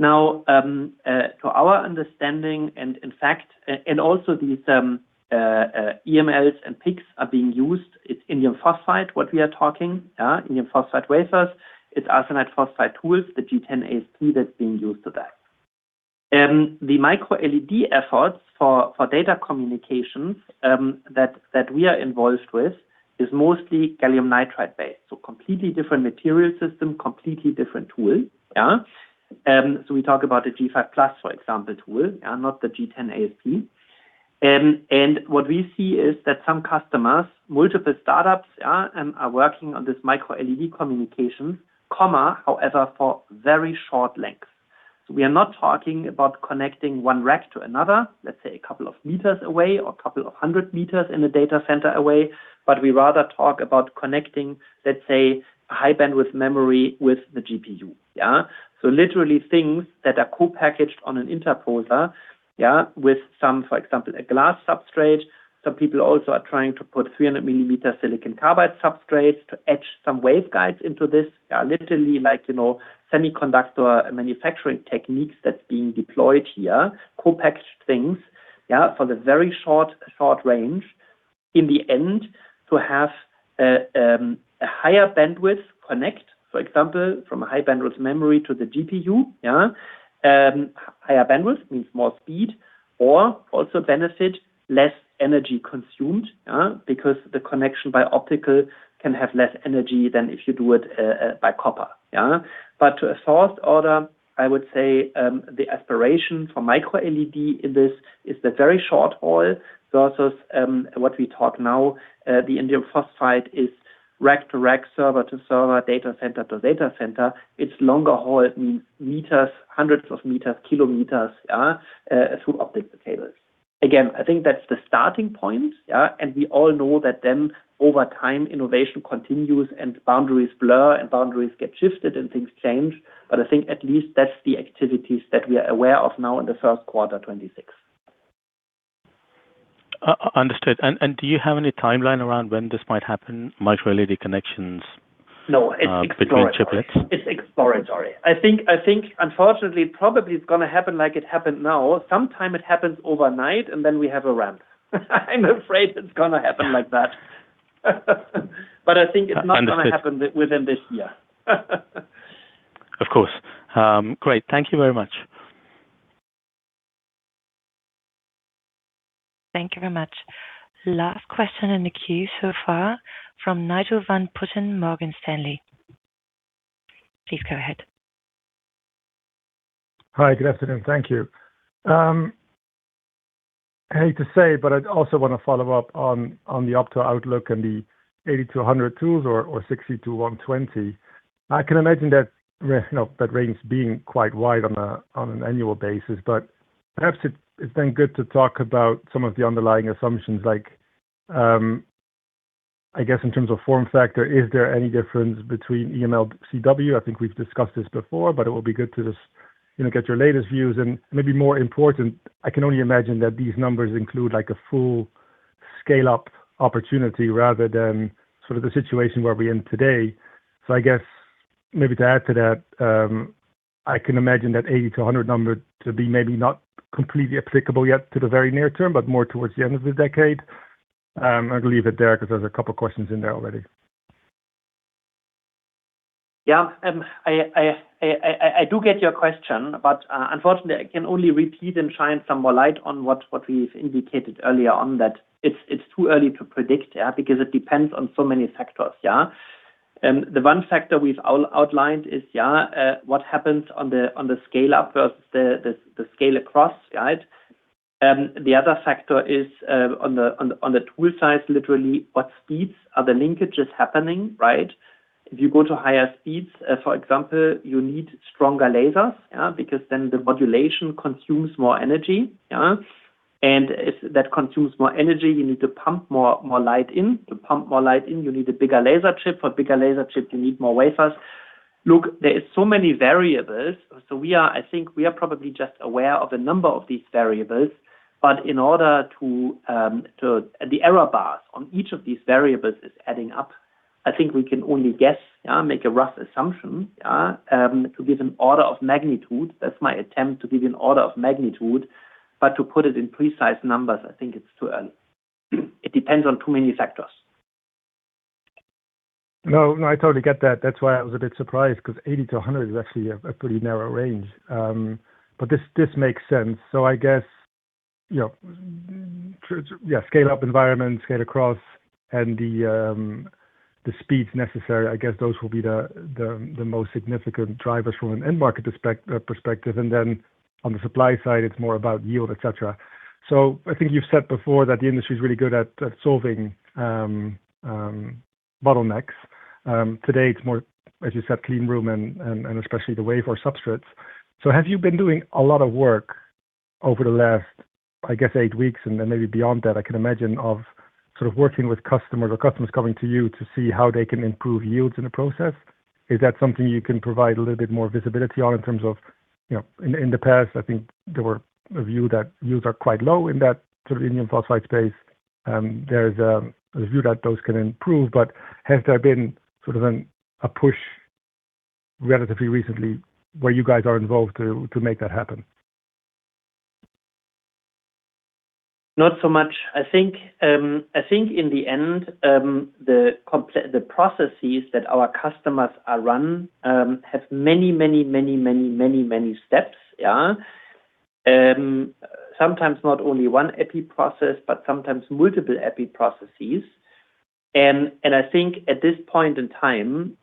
To our understanding and in fact, and also these EMLs and PICs are being used. It's indium phosphide, what we are talking. Indium phosphide wafers. It's arsenide phosphide tools, the G10-AsP that's being used for that. The Micro-LED efforts for data communications that we are involved with is mostly gallium nitride-based. Completely different material system, completely different tool. We talk about the G5+, for example, tool. Not the G10-AsP. What we see is that some customers, multiple startups, are working on this Micro-LED communication, however, for very short lengths. We are not talking about connecting one rack to another, let's say a couple of meters away or a couple of hundred meters in a data center away, but we rather talk about connecting, let's say, a High Bandwidth Memory with the GPU. Yeah. Literally things that are co-packaged on an interposer, yeah, with some, for example, a glass substrate. Some people also are trying to put 300 mm silicon carbide substrates to etch some waveguides into this. Yeah, literally like, you know, semiconductor manufacturing techniques that's being deployed here, co-packaged things, yeah, for the very short range. In the end, to have a higher bandwidth connect, for example, from a High Bandwidth Memory to the GPU. Yeah. Higher bandwidth means more speed or also benefit less energy consumed, yeah, because the connection by optical can have less energy than if you do it by copper. Yeah. To a first order, I would say, the aspiration for Micro-LED in this is the very short haul. That is what we talk now, the indium phosphide is rack-to-rack, server-to-server, data center-to-data center. It's longer haul, mean meters, hundreds of meters, kilometers, yeah, through optic cables. Again, I think that's the starting point, yeah, and we all know that then over time, innovation continues and boundaries blur and boundaries get shifted and things change. I think at least that's the activities that we are aware of now in the first quarter 2026. Understood. Do you have any timeline around when this might happen, Micro-LED connections? No, it is exploratory.... between chiplets? It's exploratory. I think unfortunately, probably it's gonna happen like it happened now. Sometimes it happens overnight, and then we have a ramp. I'm afraid it's gonna happen like that. I think it's not. Understood gonna happen within this year. Of course. Great. Thank you very much. Thank you very much. Last question in the queue so far from Nigel van Putten, Morgan Stanley. Please go ahead. Hi, good afternoon. Thank you. I hate to say, but I also want to follow up on the Opto outlook and the 80-100 tools or 60-120. I can imagine that, you know, that range being quite wide on an annual basis, but perhaps it's then good to talk about some of the underlying assumptions, like, I guess in terms of form factor, is there any difference between EML CW? I think we've discussed this before, but it will be good to just, you know, get your latest views. Maybe more important, I can only imagine that these numbers include like a full scale-up opportunity rather than sort of the situation where we're in today. I guess maybe to add to that, I can imagine that 80-100 number to be maybe not completely applicable yet to the very near term, but more towards the end of the decade. I'll leave it there because there's two questions in there already. I do get your question. Unfortunately, I can only repeat and shine some more light on what we've indicated earlier on that it's too early to predict because it depends on so many factors. The one factor we've outlined is what happens on the scale-up versus the scale-across. The other factor is on the tool size, literally what speeds are the linkages happening. If you go to higher speeds, for example, you need stronger lasers because then the modulation consumes more energy. If that consumes more energy, you need to pump more light in. To pump more light in, you need a bigger laser chip. For bigger laser chip, you need more wafers. Look, there is so many variables. I think we are probably just aware of a number of these variables. The error bars on each of these variables is adding up. I think we can only guess, make a rough assumption, to give an order of magnitude. That's my attempt to give you an order of magnitude. To put it in precise numbers, I think it's too early. It depends on too many factors. No, no, I totally get that. That's why I was a bit surprised because 80-100 is actually a pretty narrow range. This makes sense. I guess, you know, scale-up environment, scale-across, and the speeds necessary, I guess those will be the most significant drivers from an end market perspective. On the supply side, it's more about yield, et cetera. I think you've said before that the industry is really good at solving bottlenecks. Today it's more, as you said, clean room and especially the wafer substrates. Have you been doing a lot of work over the last, I guess, eight weeks, and then maybe beyond that, I can imagine, of sort of working with customers or customers coming to you to see how they can improve yields in the process? Is that something you can provide a little bit more visibility on in terms of, you know, in the past, I think there were a view that yields are quite low in that sort of indium phosphide space. There's a view that those can improve, but has there been sort of an, a push relatively recently where you guys are involved to make that happen? Not so much. I think in the end, the processes that our customers run have many, many, many, many, many, many steps. Yeah. Sometimes not only one epi process, but sometimes multiple epi processes. I think at this point in time,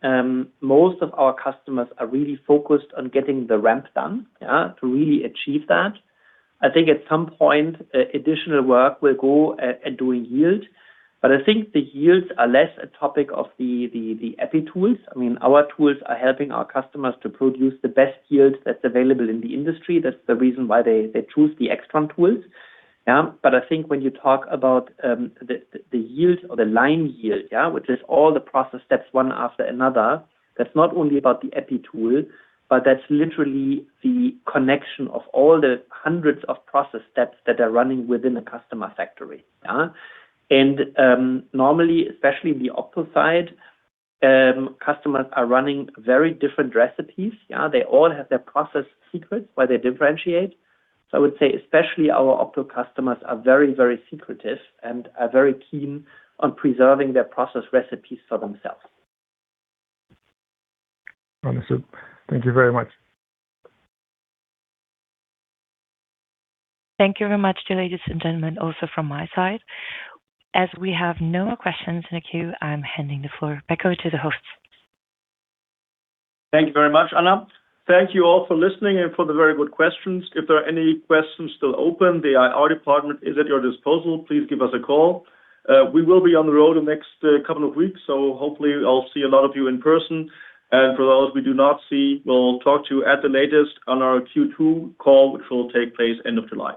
most of our customers are really focused on getting the ramp done, yeah, to really achieve that. I think at some point, additional work will go at doing yield. I think the yields are less a topic of the epi tools. I mean, our tools are helping our customers to produce the best yield that's available in the industry. That's the reason why they choose the AIXTRON tools. Yeah. I think when you talk about the yield or the line yield, yeah, which is all the process steps one after another, that's not only about the epi tool, but that's literally the connection of all the hundreds of process steps that are running within a customer factory. Yeah. Normally, especially in the Opto side, customers are running very different recipes. Yeah. They all have their process secrets why they differentiate. I would say especially our Opto customers are very, very secretive and are very keen on preserving their process recipes for themselves. Understood. Thank you very much. Thank you very much to ladies and gentlemen, also from my side. As we have no more questions in the queue, I'm handing the floor back over to the host. Thank you very much, Anna. Thank you all for listening and for the very good questions. If there are any questions still open, the IR department is at your disposal. Please give us a call. We will be on the road the next couple of weeks, so hopefully I'll see a lot of you in person. For those we do not see, we'll talk to you at the latest on our Q2 call, which will take place end of July.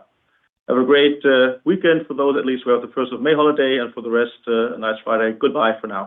Have a great weekend. For those, at least we have the First of May holiday, and for the rest, a nice Friday. Goodbye for now.